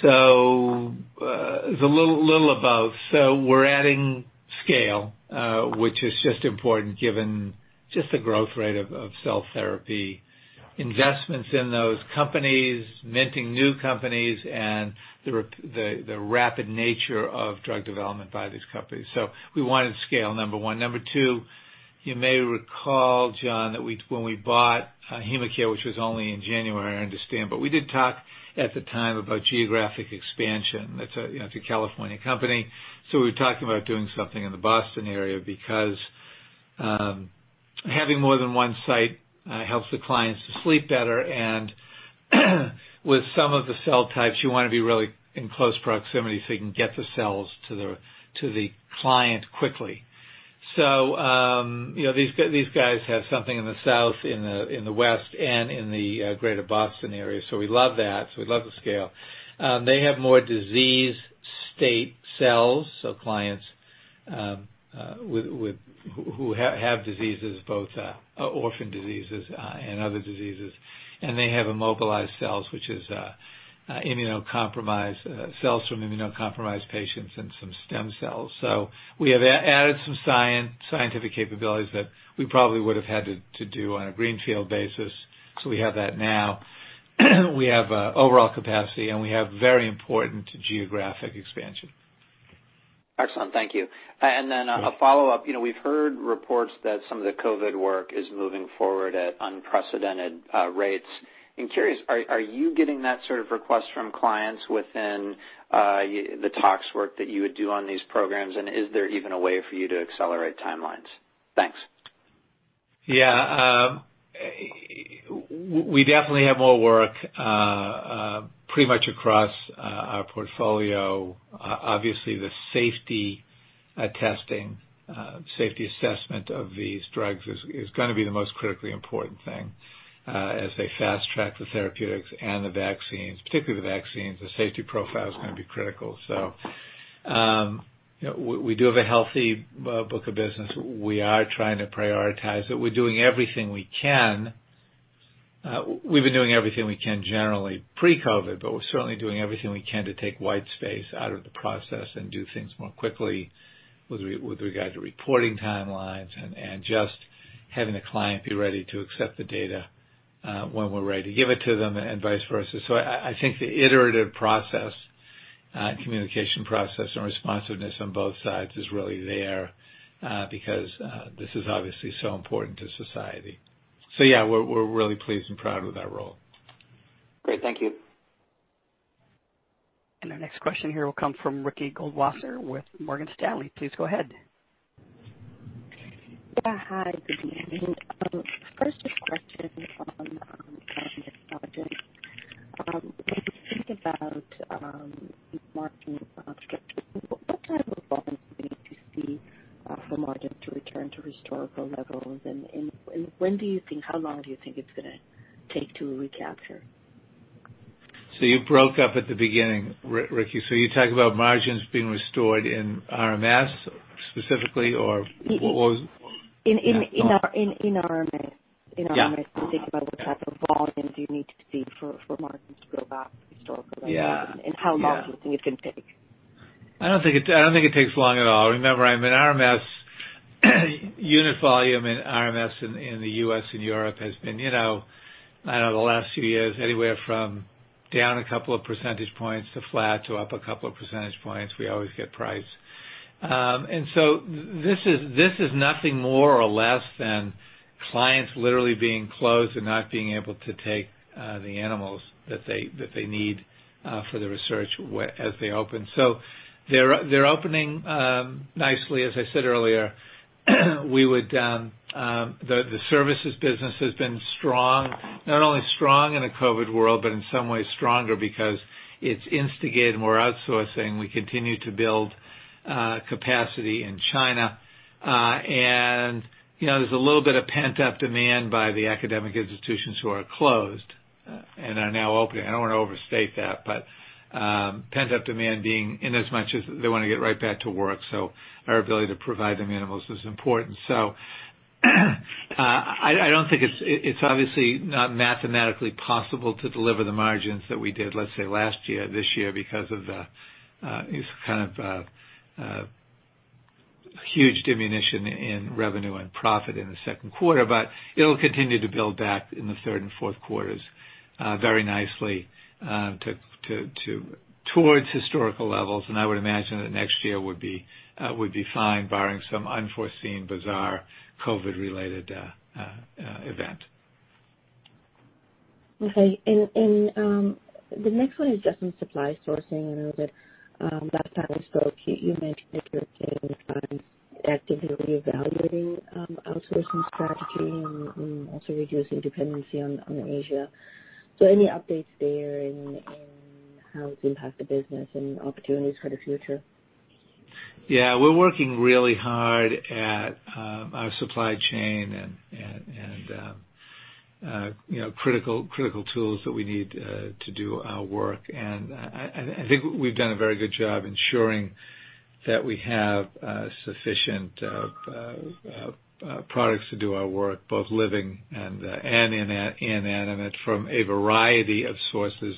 [SPEAKER 3] So it's a little of both. We're adding scale, which is just important given just the growth rate of cell therapy investments in those companies, minting new companies, and the rapid nature of drug development by these companies. So we wanted scale, number one. Number two, you may recall, John, that when we bought HemaCare, which was only in January, I understand. But we did talk at the time about geographic expansion. It's a California company. So we were talking about doing something in the Boston area because having more than one site helps the clients to sleep better. And with some of the cell types, you want to be really in close proximity so you can get the cells to the client quickly. So these guys have something in the south, in the west, and in the greater Boston area. So we love that. So we love the scale. They have more disease state cells, so clients who have diseases, both orphan diseases and other diseases. And they have mobilized cells, which is immunocompromised cells from immunocompromised patients and some stem cells. So we have added some scientific capabilities that we probably would have had to do on a greenfield basis. So we have that now. We have overall capacity, and we have very important geographic expansion.
[SPEAKER 7] Excellent. Thank you. And then a follow-up. We've heard reports that some of the COVID work is moving forward at unprecedented rates. I'm curious, are you getting that sort of request from clients within the tox work that you would do on these programs? And is there even a way for you to accelerate timelines? Thanks.
[SPEAKER 3] Yeah. We definitely have more work pretty much across our portfolio. Obviously, the safety testing, Safety Assessment of these drugs is going to be the most critically important thing as they fast-track the therapeutics and the vaccines, particularly the vaccines. The safety profile is going to be critical. So we do have a healthy book of business. We are trying to prioritize it. We're doing everything we can. We've been doing everything we can generally pre-COVID, but we're certainly doing everything we can to take white space out of the process and do things more quickly with regard to reporting timelines and just having the client be ready to accept the data when we're ready to give it to them and vice versa. So I think the iterative process, communication process, and responsiveness on both sides is really there because this is obviously so important to society. So yeah, we're really pleased and proud with our role. Great. Thank you.
[SPEAKER 1] And our next question here will come from Ricky Goldwasser with Morgan Stanley. Please go ahead.
[SPEAKER 8] Yeah. Hi. Good evening. First question on margins. When you think about margins, what type of volume do you see for margins to return to historical levels? And when do you think, how long do you think it's going to take to recapture?
[SPEAKER 3] So you broke up at the beginning, Ricky. So you talk about margins being restored in RMS specifically, or?
[SPEAKER 8] In RMS. In RMS, you think about what type of volume do you need to see for margins to go back to historical levels? And how long do you think it's going to take?
[SPEAKER 3] I don't think it takes long at all. Remember, I mean, RMS unit volume in RMS in the U.S. and Europe has been, I don't know, the last few years, anywhere from down a couple of percentage points to flat to up a couple of percentage points. We always get price. And so this is nothing more or less than clients literally being closed and not being able to take the animals that they need for the research as they open. So they're opening nicely. As I said earlier, the services business has been strong, not only strong in a COVID world, but in some ways stronger because it's instigated more outsourcing. We continue to build capacity in China. And there's a little bit of pent-up demand by the academic institutions who are closed and are now opening. I don't want to overstate that, but pent-up demand being in as much as they want to get right back to work, so our ability to provide them animals is important, so I don't think it's obviously not mathematically possible to deliver the margins that we did, let's say, last year, this year because of this kind of huge diminution in revenue and profit in the second quarter, but it'll continue to build back in the third and fourth quarters very nicely towards historical levels, and I would imagine that next year would be fine barring some unforeseen bizarre COVID-related event.
[SPEAKER 8] Okay, and the next one is just on supply sourcing. I know that last time we spoke, you mentioned that you're actively reevaluating outsourcing strategy and also reducing dependency on Asia, so any updates there in how it's impacted business and opportunities for the future?
[SPEAKER 3] Yeah. We're working really hard at our supply chain and critical tools that we need to do our work. And I think we've done a very good job ensuring that we have sufficient products to do our work, both living and inanimate, from a variety of sources.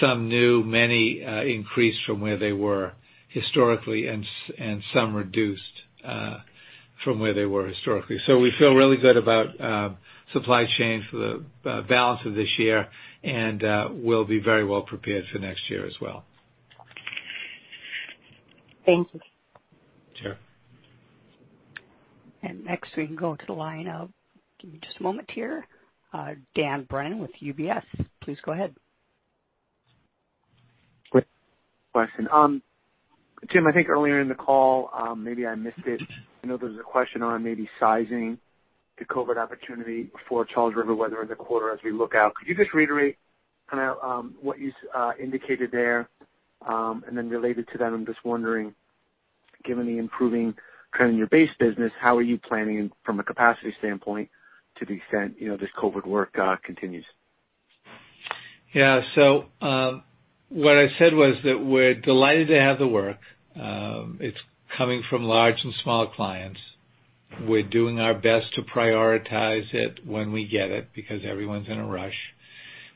[SPEAKER 3] Some new, many increased from where they were historically, and some reduced from where they were historically. So we feel really good about supply chain for the balance of this year and will be very well prepared for next year as well.
[SPEAKER 8] Thank you.
[SPEAKER 3] Sure.
[SPEAKER 1] And next, we can go to the line of just a moment here. Dan Brennan with UBS. Please go ahead.
[SPEAKER 9] Great question. Jim, I think earlier in the call, maybe I missed it. I know there was a question on maybe sizing the COVID opportunity for Charles River whether in the quarter as we look out. Could you just reiterate kind of what you indicated there? And then, related to that, I'm just wondering, given the improving trend in your base business, how are you planning from a capacity standpoint to the extent this COVID work continues?
[SPEAKER 3] Yeah. So what I said was that we're delighted to have the work. It's coming from large and small clients. We're doing our best to prioritize it when we get it because everyone's in a rush.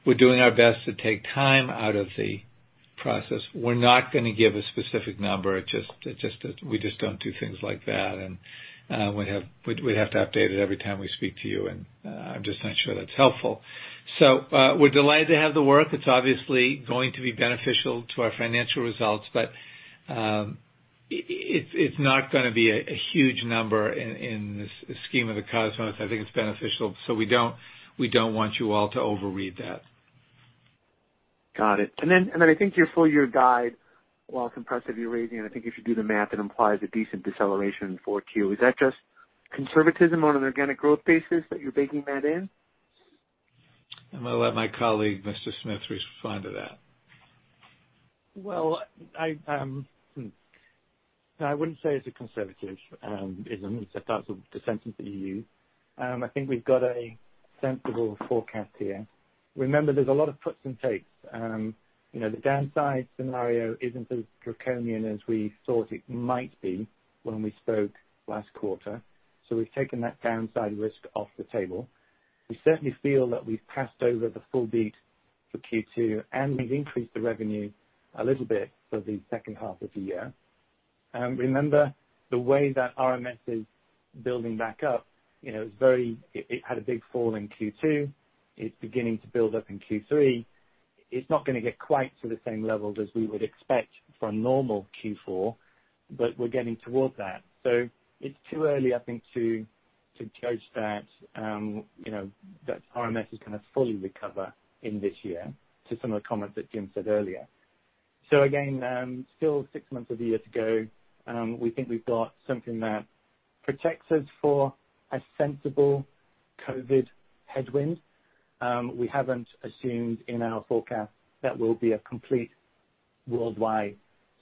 [SPEAKER 3] We're doing our best to take time out of the process. We're not going to give a specific number. We just don't do things like that. And we'd have to update it every time we speak to you. And I'm just not sure that's helpful. So we're delighted to have the work. It's obviously going to be beneficial to our financial results, but it's not going to be a huge number in the scheme of the cosmos. I think it's beneficial. So we don't want you all to overread that.
[SPEAKER 9] Got it. And then I think your full-year guide, while it's impressive you're raising, and I think if you do the math, it implies a decent deceleration for Q. Is that just conservatism on an organic growth basis that you're baking that in?
[SPEAKER 3] I'm going to let my colleague, Mr. Smith, respond to that.
[SPEAKER 4] Well, I wouldn't say it's a conservatism. I thought it's a sentence that you used. I think we've got a sensible forecast here. Remember, there's a lot of puts and takes. The downside scenario isn't as draconian as we thought it might be when we spoke last quarter. So we've taken that downside risk off the table. We certainly feel that we've passed over the full beat for Q2, and we've increased the revenue a little bit for the second half of the year. Remember, the way that RMS is building back up, it had a big fall in Q2. It's beginning to build up in Q3. It's not going to get quite to the same levels as we would expect from normal Q4, but we're getting towards that. So it's too early, I think, to judge that RMS is going to fully recover in this year to some of the comments that Jim said earlier. So again, still six months of the year to go. We think we've got something that protects us for a sensible COVID headwind. We haven't assumed in our forecast that we'll be a complete worldwide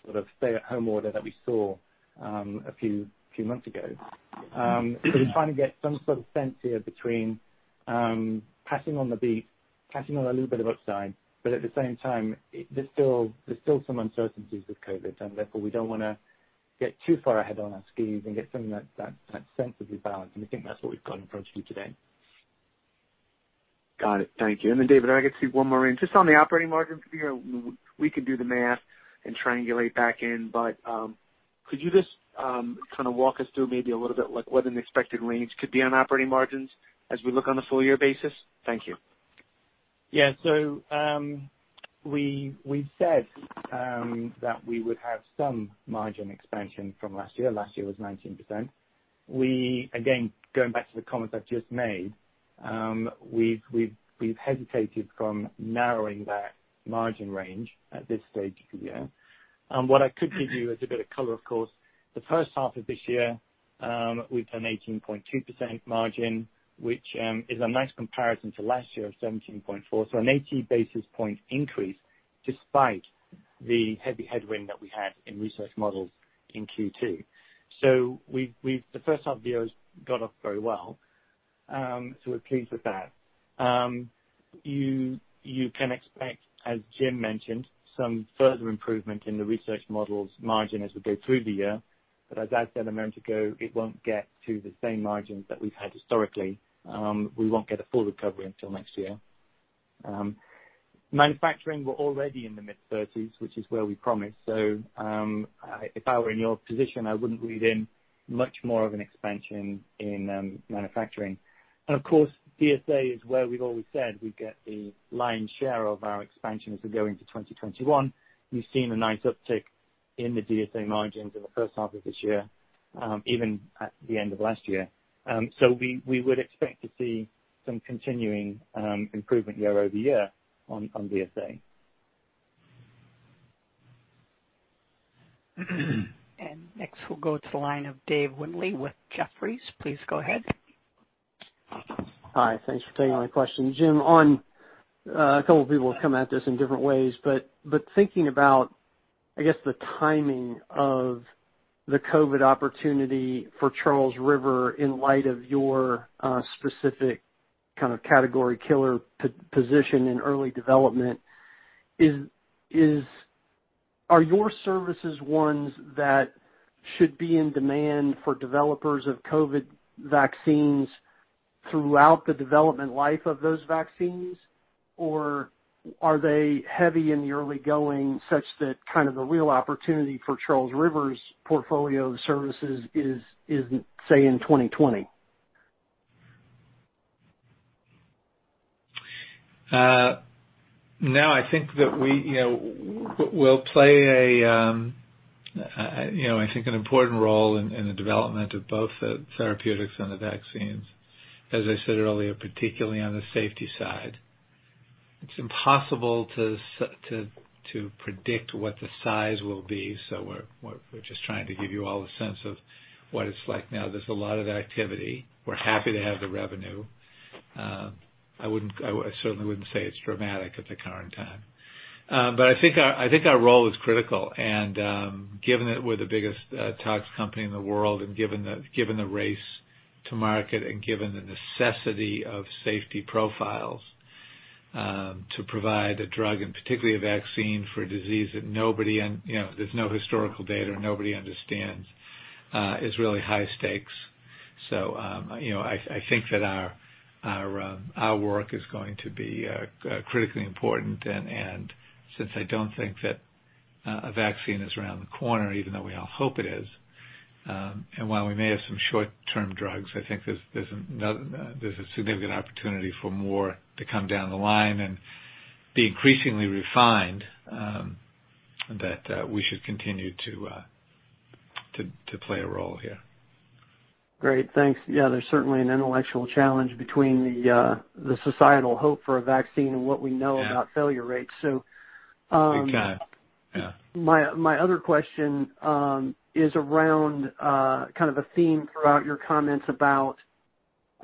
[SPEAKER 4] sort of stay-at-home order that we saw a few months ago. We're trying to get some sort of sense here between passing on the beat, passing on a little bit of upside, but at the same time, there's still some uncertainties with COVID. And therefore, we don't want to get too far ahead on our skis and get something that's sensibly balanced. And we think that's what we've got in front of you today.
[SPEAKER 9] Got it. Thank you. And then, David, I got one more in. Just on the operating margin figure, we can do the math and triangulate back in. But could you just kind of walk us through maybe a little bit what an expected range could be on operating margins as we look on a full-year basis? Thank you.
[SPEAKER 4] Yeah. So we've said that we would have some margin expansion from last year. Last year was 19%. Again, going back to the comments I've just made, we've hesitated from narrowing that margin range at this stage of the year. What I could give you is a bit of color, of course. The first half of this year, we've done 18.2% margin, which is a nice comparison to last year of 17.4%. So an 80 basis points increase despite the heavy headwind that we had in Research Models in Q2. So the first half of the year has gone off very well. So we're pleased with that. You can expect, as Jim mentioned, some further improvement in the Research Models' margin as we go through the year. But as I said a moment ago, it won't get to the same margins that we've had historically. We won't get a full recovery until next year. Manufacturing, we're already in the mid-30s%, which is where we promised. So if I were in your position, I wouldn't read in much more of an expansion in manufacturing. And of course, DSA is where we've always said we get the lion's share of our expansion as we go into 2021. We've seen a nice uptick in the DSA margins in the first half of this year, even at the end of last year. So we would expect to see some continuing improvement year over year on DSA.
[SPEAKER 1] And next, we'll go to the line of Dave Windley with Jefferies. Please go ahead.
[SPEAKER 10] Hi. Thanks for taking my question. Jim, a couple of people have come at this in different ways. But thinking about, I guess, the timing of the COVID opportunity for Charles River in light of your specific kind of category killer position in early development, are your services ones that should be in demand for developers of COVID vaccines throughout the development life of those vaccines? Or are they heavy in the early going such that kind of the real opportunity for Charles River's portfolio of services is, say, in 2020?
[SPEAKER 3] No, I think that we'll play a, I think, an important role in the development of both the therapeutics and the vaccines, as I said earlier, particularly on the safety side. It's impossible to predict what the size will be. So we're just trying to give you all a sense of what it's like now. There's a lot of activity. We're happy to have the revenue. I certainly wouldn't say it's dramatic at the current time. But I think our role is critical. And given that we're the biggest CRO company in the world, and given the race to market, and given the necessity of safety profiles to provide a drug, and particularly a vaccine for a disease that nobody, there's no historical data or nobody understands, is really high stakes. So I think that our work is going to be critically important. And since I don't think that a vaccine is around the corner, even though we all hope it is, and while we may have some short-term drugs, I think there's a significant opportunity for more to come down the line and be increasingly refined, that we should continue to play a role here.
[SPEAKER 10] Great. Thanks. Yeah. There's certainly an intellectual challenge between the societal hope for a vaccine and what we know about failure rates. So. Big time. Yeah. My other question is around kind of a theme throughout your comments about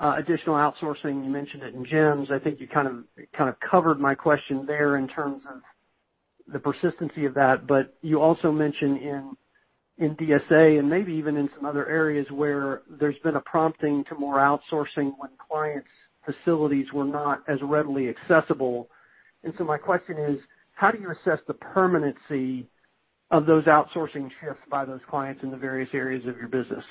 [SPEAKER 10] additional outsourcing. You mentioned it in GEMS. I think you kind of covered my question there in terms of the persistence of that, but you also mentioned in DSA and maybe even in some other areas where there's been a prompting to more outsourcing when clients' facilities were not as readily accessible, and so my question is, how do you assess the permanency of those outsourcing shifts by those clients in the various areas of your business?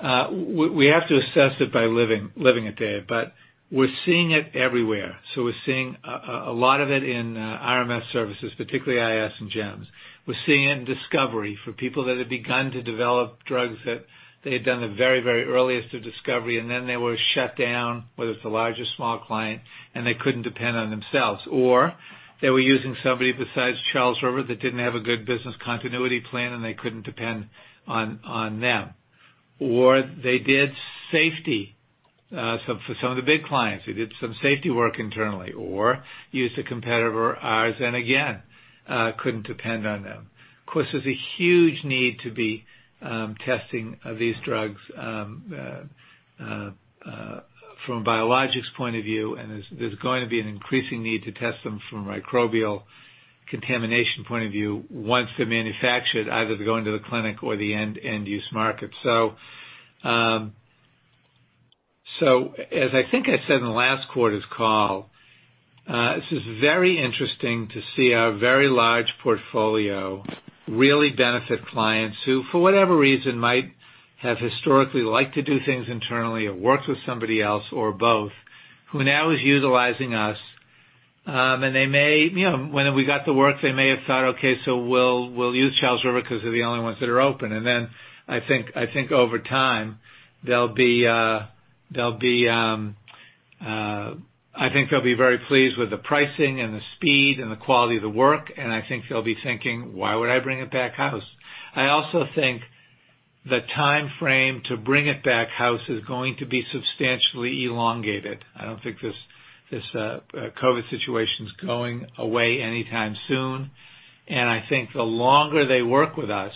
[SPEAKER 3] We have to assess it by living it, Dave, but we're seeing it everywhere, so we're seeing a lot of it in RMS services, particularly IS and GEMS. We're seeing it in Discovery for people that had begun to develop drugs that they had done the very, very earliest of Discovery, and then they were shut down, whether it's a large or small client, and they couldn't depend on themselves. Or they were using somebody besides Charles River that didn't have a good business continuity plan, and they couldn't depend on them. Or they did safety for some of the big clients. They did some safety work internally or used a competitor of ours and again couldn't depend on them. Of course, there's a huge need to be testing these drugs from a Biologics point of view. And there's going to be an increasing need to test them from a microbial contamination point of view once they're manufactured, either to go into the clinic or the end-use market. So as I think I said in the last quarter's call, this is very interesting to see our very large portfolio really benefit clients who, for whatever reason, might have historically liked to do things internally or worked with somebody else or both, who now is utilizing us. And when we got the work, they may have thought, "Okay. So we'll use Charles River because they're the only ones that are open." And then I think over time, they'll be, I think they'll be very pleased with the pricing and the speed and the quality of the work. And I think they'll be thinking, "Why would I bring it back in-house?" I also think the timeframe to bring it back in-house is going to be substantially elongated. I don't think this COVID situation's going away anytime soon. I think the longer they work with us,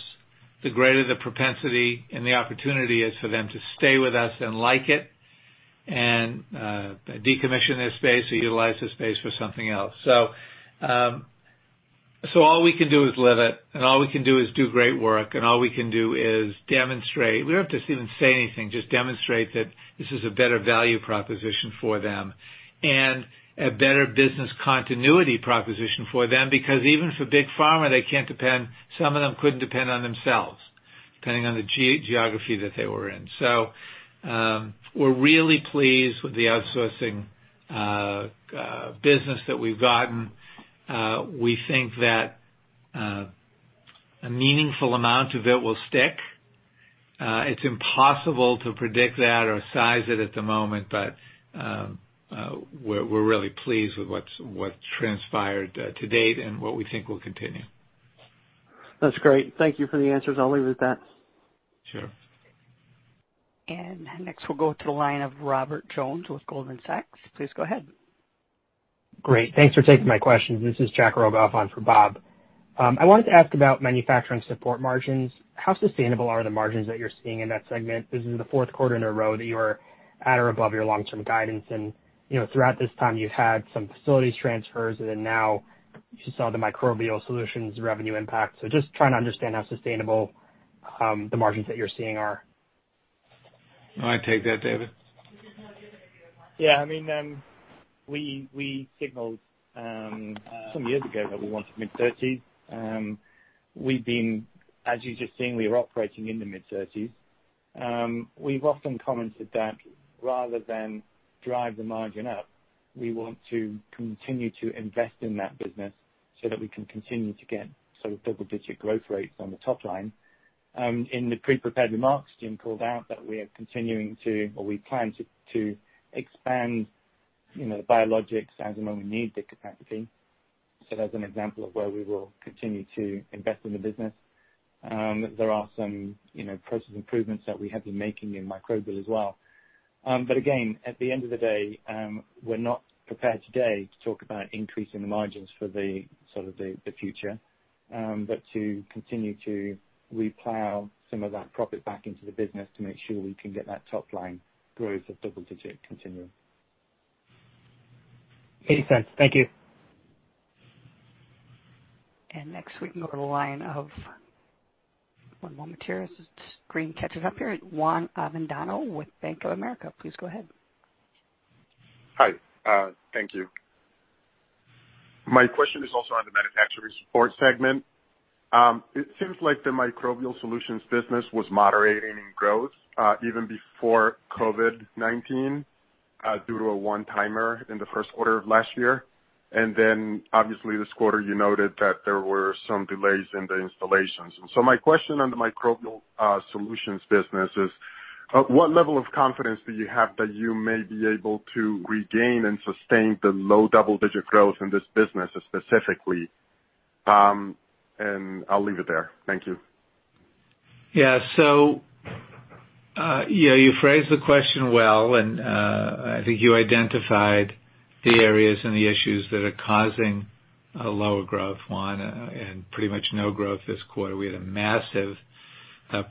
[SPEAKER 3] the greater the propensity and the opportunity is for them to stay with us and like it and decommission their space or utilize their space for something else, so all we can do is live it, and all we can do is do great work, and all we can do is demonstrate. We don't have to even say anything. Just demonstrate that this is a better value proposition for them and a better business continuity proposition for them because even for big pharma, they can't depend. Some of them couldn't depend on themselves depending on the geography that they were in, so we're really pleased with the outsourcing business that we've gotten. We think that a meaningful amount of it will stick. It's impossible to predict that or size it at the moment, but we're really pleased with what transpired to date and what we think will continue.
[SPEAKER 10] That's great. Thank you for the answers. I'll leave it at that.
[SPEAKER 1] Sure. And next, we'll go to the line of Robert Jones with Goldman Sachs. Please go ahead.
[SPEAKER 11] Great. Thanks for taking my questions. This is Jack Rogoff on for Bob. I wanted to ask about Manufacturing Support margins. How sustainable are the margins that you're seeing in that segment? This is the fourth quarter in a row that you are at or above your long-term guidance. And throughout this time, you've had some facilities transfers, and then now you saw the Microbial Solutions revenue impact. So just trying to understand how sustainable the margins that you're seeing are.
[SPEAKER 4] I take that, David. Yeah. I mean, we signaled some years ago that we wanted mid-30s. As you've just seen, we were operating in the mid-30s. We've often commented that rather than drive the margin up, we want to continue to invest in that business so that we can continue to get sort of double-digit growth rates on the top line. In the pre-prepared remarks, Jim called out that we are continuing to, or we plan to, expand the Biologics as and when we need the capacity. So that's an example of where we will continue to invest in the business. There are some process improvements that we have been making in Microbial as well. But again, at the end of the day, we're not prepared today to talk about increasing the margins for sort of the future, but to continue to replow some of that profit back into the business to make sure we can get that top-line growth of double-digit continuum.
[SPEAKER 11] Makes sense. Thank you.
[SPEAKER 1] And next, we can go to the line of one moment here. Screen catches up here. Juan Avendano with Bank of America. Please go ahead.
[SPEAKER 12] Hi. Thank you. My question is also on the Manufacturing Support segment. It seems like the Microbial Solutions business was moderating in growth even before COVID-19 due to a one-timer in the first quarter of last year. And then, obviously, this quarter, you noted that there were some delays in the installations. And so my question on the Microbial Solutions business is, what level of confidence do you have that you may be able to regain and sustain the low double-digit growth in this business specifically? And I'll leave it there. Thank you.
[SPEAKER 3] Yeah. So you phrased the question well, and I think you identified the areas and the issues that are causing lower growth, Juan, and pretty much no growth this quarter. We had a massive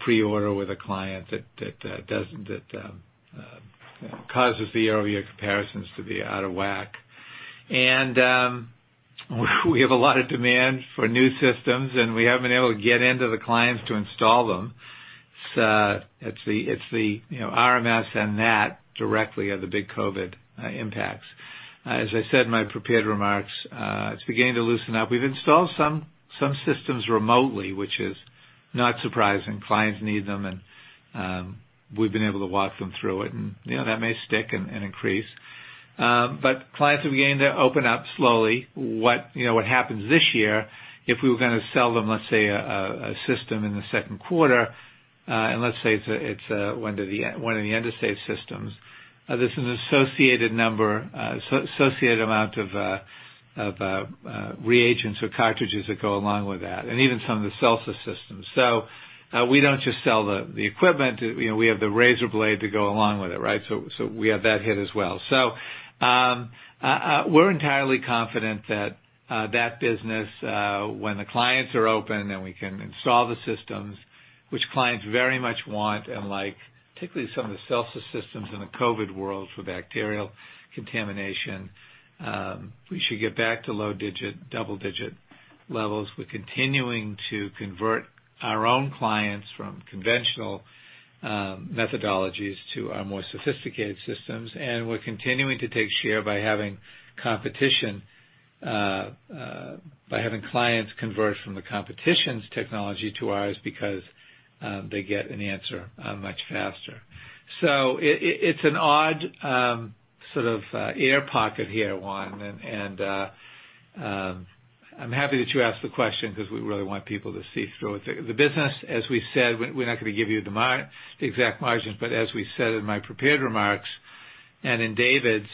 [SPEAKER 3] pre-order with a client that causes the earlier comparisons to be out of whack. And we have a lot of demand for new systems, and we haven't been able to get into the clients to install them. So it's the RMS and that directly off the big COVID impacts. As I said in my prepared remarks, it's beginning to loosen up. We've installed some systems remotely, which is not surprising. Clients need them, and we've been able to walk them through it. That may stick and increase. But clients are beginning to open up slowly. What happens this year? If we were going to sell them, let's say, a system in the second quarter, and let's say it's one of the end-of-stage systems, there's an associated number, associated amount of reagents or cartridges that go along with that, and even some of the Celsis systems. So we don't just sell the equipment. We have the razor blade to go along with it, right? So we have that hit as well. So we're entirely confident that that business, when the clients are open and we can install the systems, which clients very much want and like, particularly some of the Celsis systems in the COVID world for bacterial contamination, we should get back to low-digit, double-digit levels. We're continuing to convert our own clients from conventional methodologies to our more sophisticated systems, and we're continuing to take share by having clients convert from the competition's technology to ours because they get an answer much faster, so it's an odd sort of air pocket here, Juan, and I'm happy that you asked the question because we really want people to see through it. The business, as we said, we're not going to give you the exact margins, but as we said in my prepared remarks and in David's,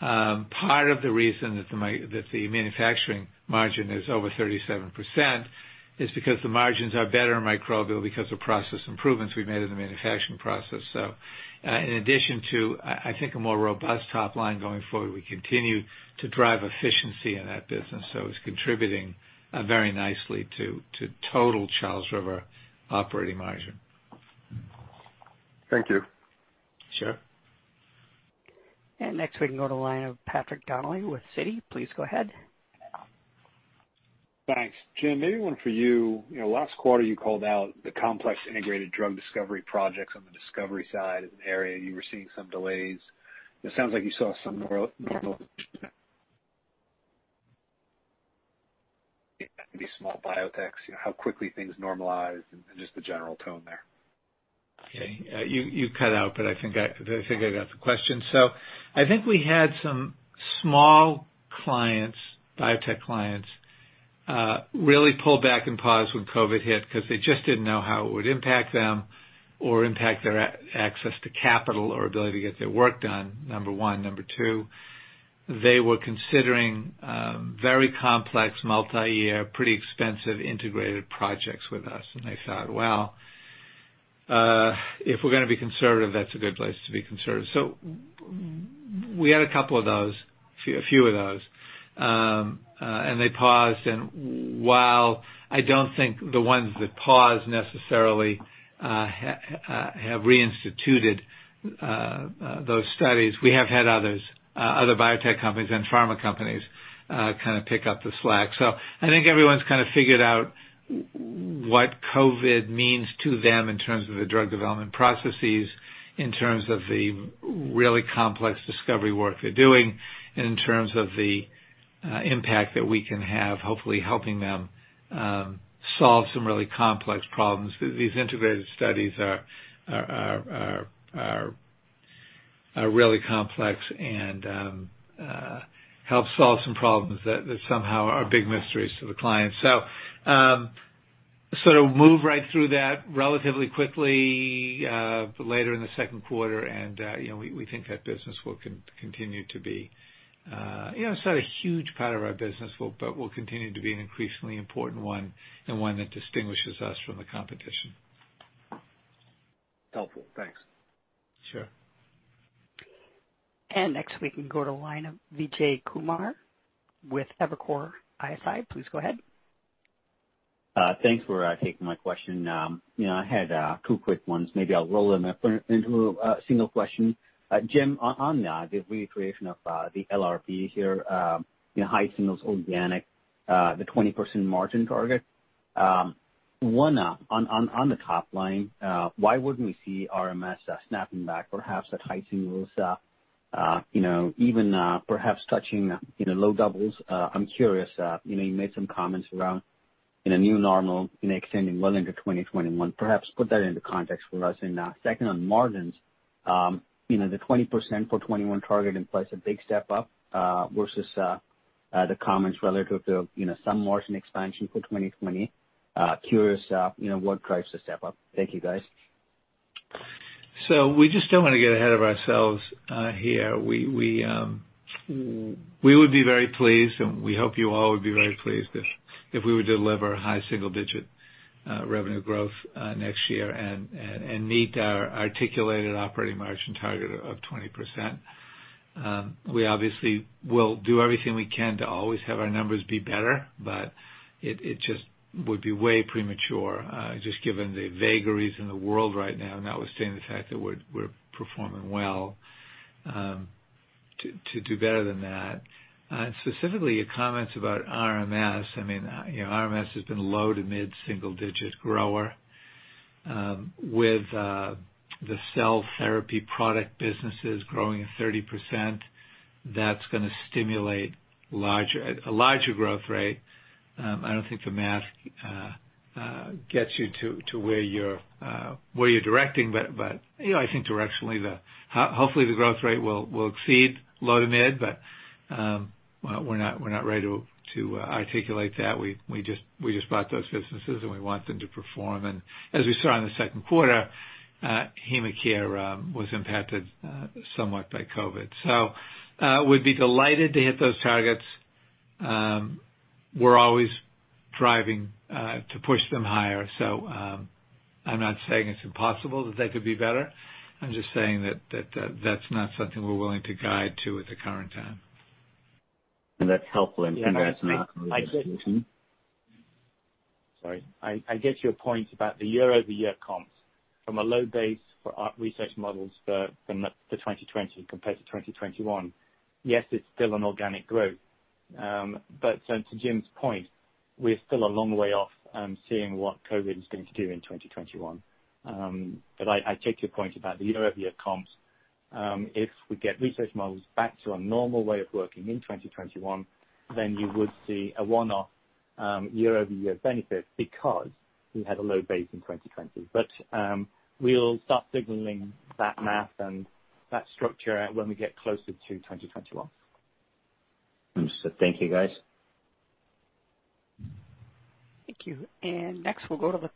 [SPEAKER 3] part of the reason that the Manufacturing margin is over 37% is because the margins are better in Microbial because of process improvements we've made in the manufacturing process, so in addition to, I think, a more robust top line going forward, we continue to drive efficiency in that business. So it's contributing very nicely to total Charles River operating margin.
[SPEAKER 12] Thank you.
[SPEAKER 3] Sure.
[SPEAKER 1] And next, we can go to the line of Patrick Donnelly with Citi. Please go ahead.
[SPEAKER 13] Thanks. Jim, maybe one for you. Last quarter, you called out the complex integrated drug discovery projects on the Discovery side as an area. You were seeing some delays. It sounds like you saw some normalization. Yeah. Maybe small biotechs, how quickly things normalized, and just the general tone there.
[SPEAKER 3] Okay. You cut out, but I think I got the question. So I think we had some small clients, biotech clients, really pull back and pause when COVID hit because they just didn't know how it would impact them or impact their access to capital or ability to get their work done, number one. Number two, they were considering very complex, multi-year, pretty expensive integrated projects with us. And they thought, "Well, if we're going to be conservative, that's a good place to be conservative." So we had a couple of those, a few of those. And they paused. And while I don't think the ones that paused necessarily have reinstituted those studies, we have had other biotech companies and pharma companies kind of pick up the slack. So I think everyone's kind of figured out what COVID means to them in terms of the drug development processes, in terms of the really complex Discovery work they're doing, and in terms of the impact that we can have, hopefully helping them solve some really complex problems. These integrated studies are really complex and help solve some problems that somehow are big mysteries to the clients. So sort of move right through that relatively quickly later in the second quarter. And we think that business will continue to be. It's not a huge part of our business, but will continue to be an increasingly important one and one that distinguishes us from the competition.
[SPEAKER 13] Helpful. Thanks.
[SPEAKER 3] Sure.
[SPEAKER 1] And next, we can go to the line of Vijay Kumar with Evercore ISI. Please go ahead.
[SPEAKER 14] Thanks for taking my question. I had two quick ones. Maybe I'll roll them into a single question. Jim, on the recalibration of the LRP here, high-single-digit organic, the 20% margin target. One on the top line, why wouldn't we see RMS snapping back, perhaps, at high-single-digit, even perhaps touching low double-digit? I'm curious. You made some comments around a new normal extending well into 2021. Perhaps put that into context for us. Second, on margins, the 20% for 2021 target implies a big step up versus the comments relative to some margin expansion for 2020. Curious what drives the step up. Thank you, guys.
[SPEAKER 3] So we just don't want to get ahead of ourselves here. We would be very pleased, and we hope you all would be very pleased if we were to deliver high single-digit revenue growth next year and meet our articulated operating margin target of 20%. We obviously will do everything we can to always have our numbers be better, but it just would be way premature just given the vagaries in the world right now, notwithstanding the fact that we're performing well, to do better than that. And specifically, your comments about RMS, I mean, RMS has been low to mid-single-digit grower with the cell therapy product businesses growing at 30%. That's going to stimulate a larger growth rate. I don't think the math gets you to where you're directing, but I think directionally, hopefully, the growth rate will exceed low to mid, but we're not ready to articulate that. We just bought those businesses, and we want them to perform. And as we saw in the second quarter, HemaCare was impacted somewhat by COVID. So we'd be delighted to hit those targets. We're always driving to push them higher. So I'm not saying it's impossible that they could be better. I'm just saying that that's not something we're willing to guide to at the current time.
[SPEAKER 14] And that's helpful in clarifying the situation.
[SPEAKER 4] Sorry. I get your point about the year-over-year comps from a low base for our Research Models from the 2020 compared to 2021. Yes, it's still an organic growth. But to GEMS point, we're still a long way off seeing what COVID is going to do in 2021. But I take your point about the year-over-year comps. If we get Research Models back to a normal way of working in 2021, then you would see a one-off year-over-year benefit because we had a low base in 2020. But we'll start signaling that math and that structure when we get closer to 2021.
[SPEAKER 14] I'm just saying thank you, guys.
[SPEAKER 1] Thank you. And next, we'll go to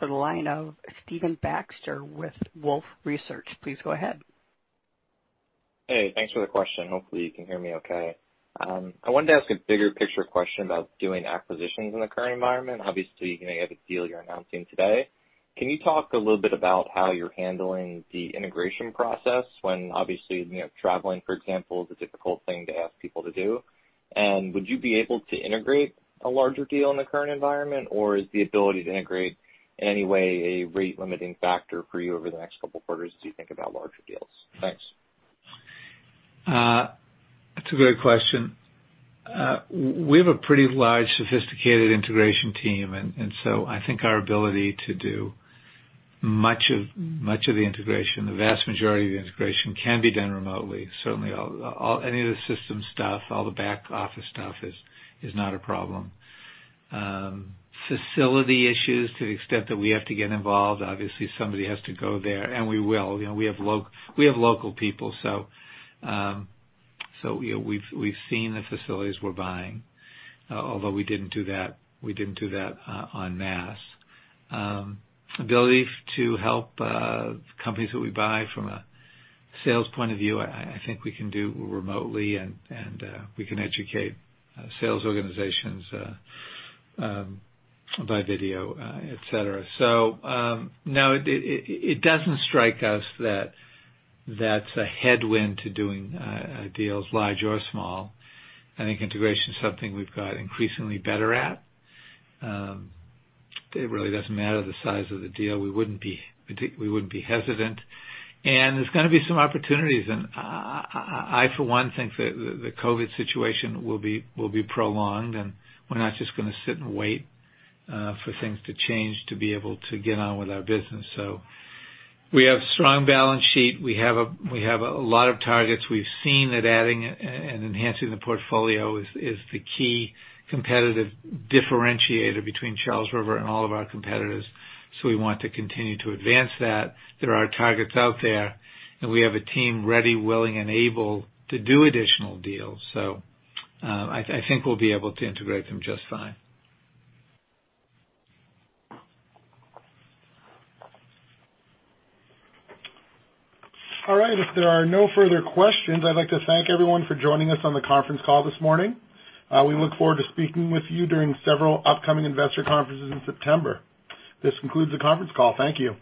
[SPEAKER 1] the line of Steve Baxter with Wolfe Research. Please go ahead.
[SPEAKER 15] Hey. Thanks for the question. Hopefully, you can hear me okay. I wanted to ask a bigger picture question about doing acquisitions in the current environment. Obviously, you have a deal you're announcing today. Can you talk a little bit about how you're handling the integration process when, obviously, traveling, for example, is a difficult thing to ask people to do? And would you be able to integrate a larger deal in the current environment, or is the ability to integrate in any way a rate-limiting factor for you over the next couple of quarters as you think about larger deals? Thanks.
[SPEAKER 3] That's a great question. We have a pretty large, sophisticated integration team, and so I think our ability to do much of the integration, the vast majority of the integration, can be done remotely. Certainly, any of the system stuff, all the back office stuff, is not a problem. Facility issues, to the extent that we have to get involved, obviously, somebody has to go there, and we will. We have local people. So, we've seen the facilities we're buying, although we didn't do that on masse. The ability to help companies that we buy from a sales point of view, I think we can do remotely, and we can educate sales organizations by video, etc. So, no, it doesn't strike us that that's a headwind to doing deals, large or small. I think integration is something we've got increasingly better at. It really doesn't matter the size of the deal. We wouldn't be hesitant. And there's going to be some opportunities. And I, for one, think that the COVID situation will be prolonged, and we're not just going to sit and wait for things to change to be able to get on with our business. So, we have a strong balance sheet. We have a lot of targets. We've seen that adding and enhancing the portfolio is the key competitive differentiator between Charles River and all of our competitors. So we want to continue to advance that. There are targets out there, and we have a team ready, willing, and able to do additional deals. So I think we'll be able to integrate them just fine.
[SPEAKER 2] All right. If there are no further questions, I'd like to thank everyone for joining us on the conference call this morning. We look forward to speaking with you during several upcoming investor conferences in September. This concludes the conference call. Thank you.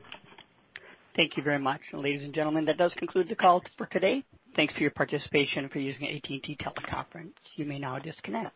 [SPEAKER 1] Thank you very much. Ladies and gentlemen, that does conclude the call for today. Thanks for your participation and for using AT&T Teleconference. You may now disconnect.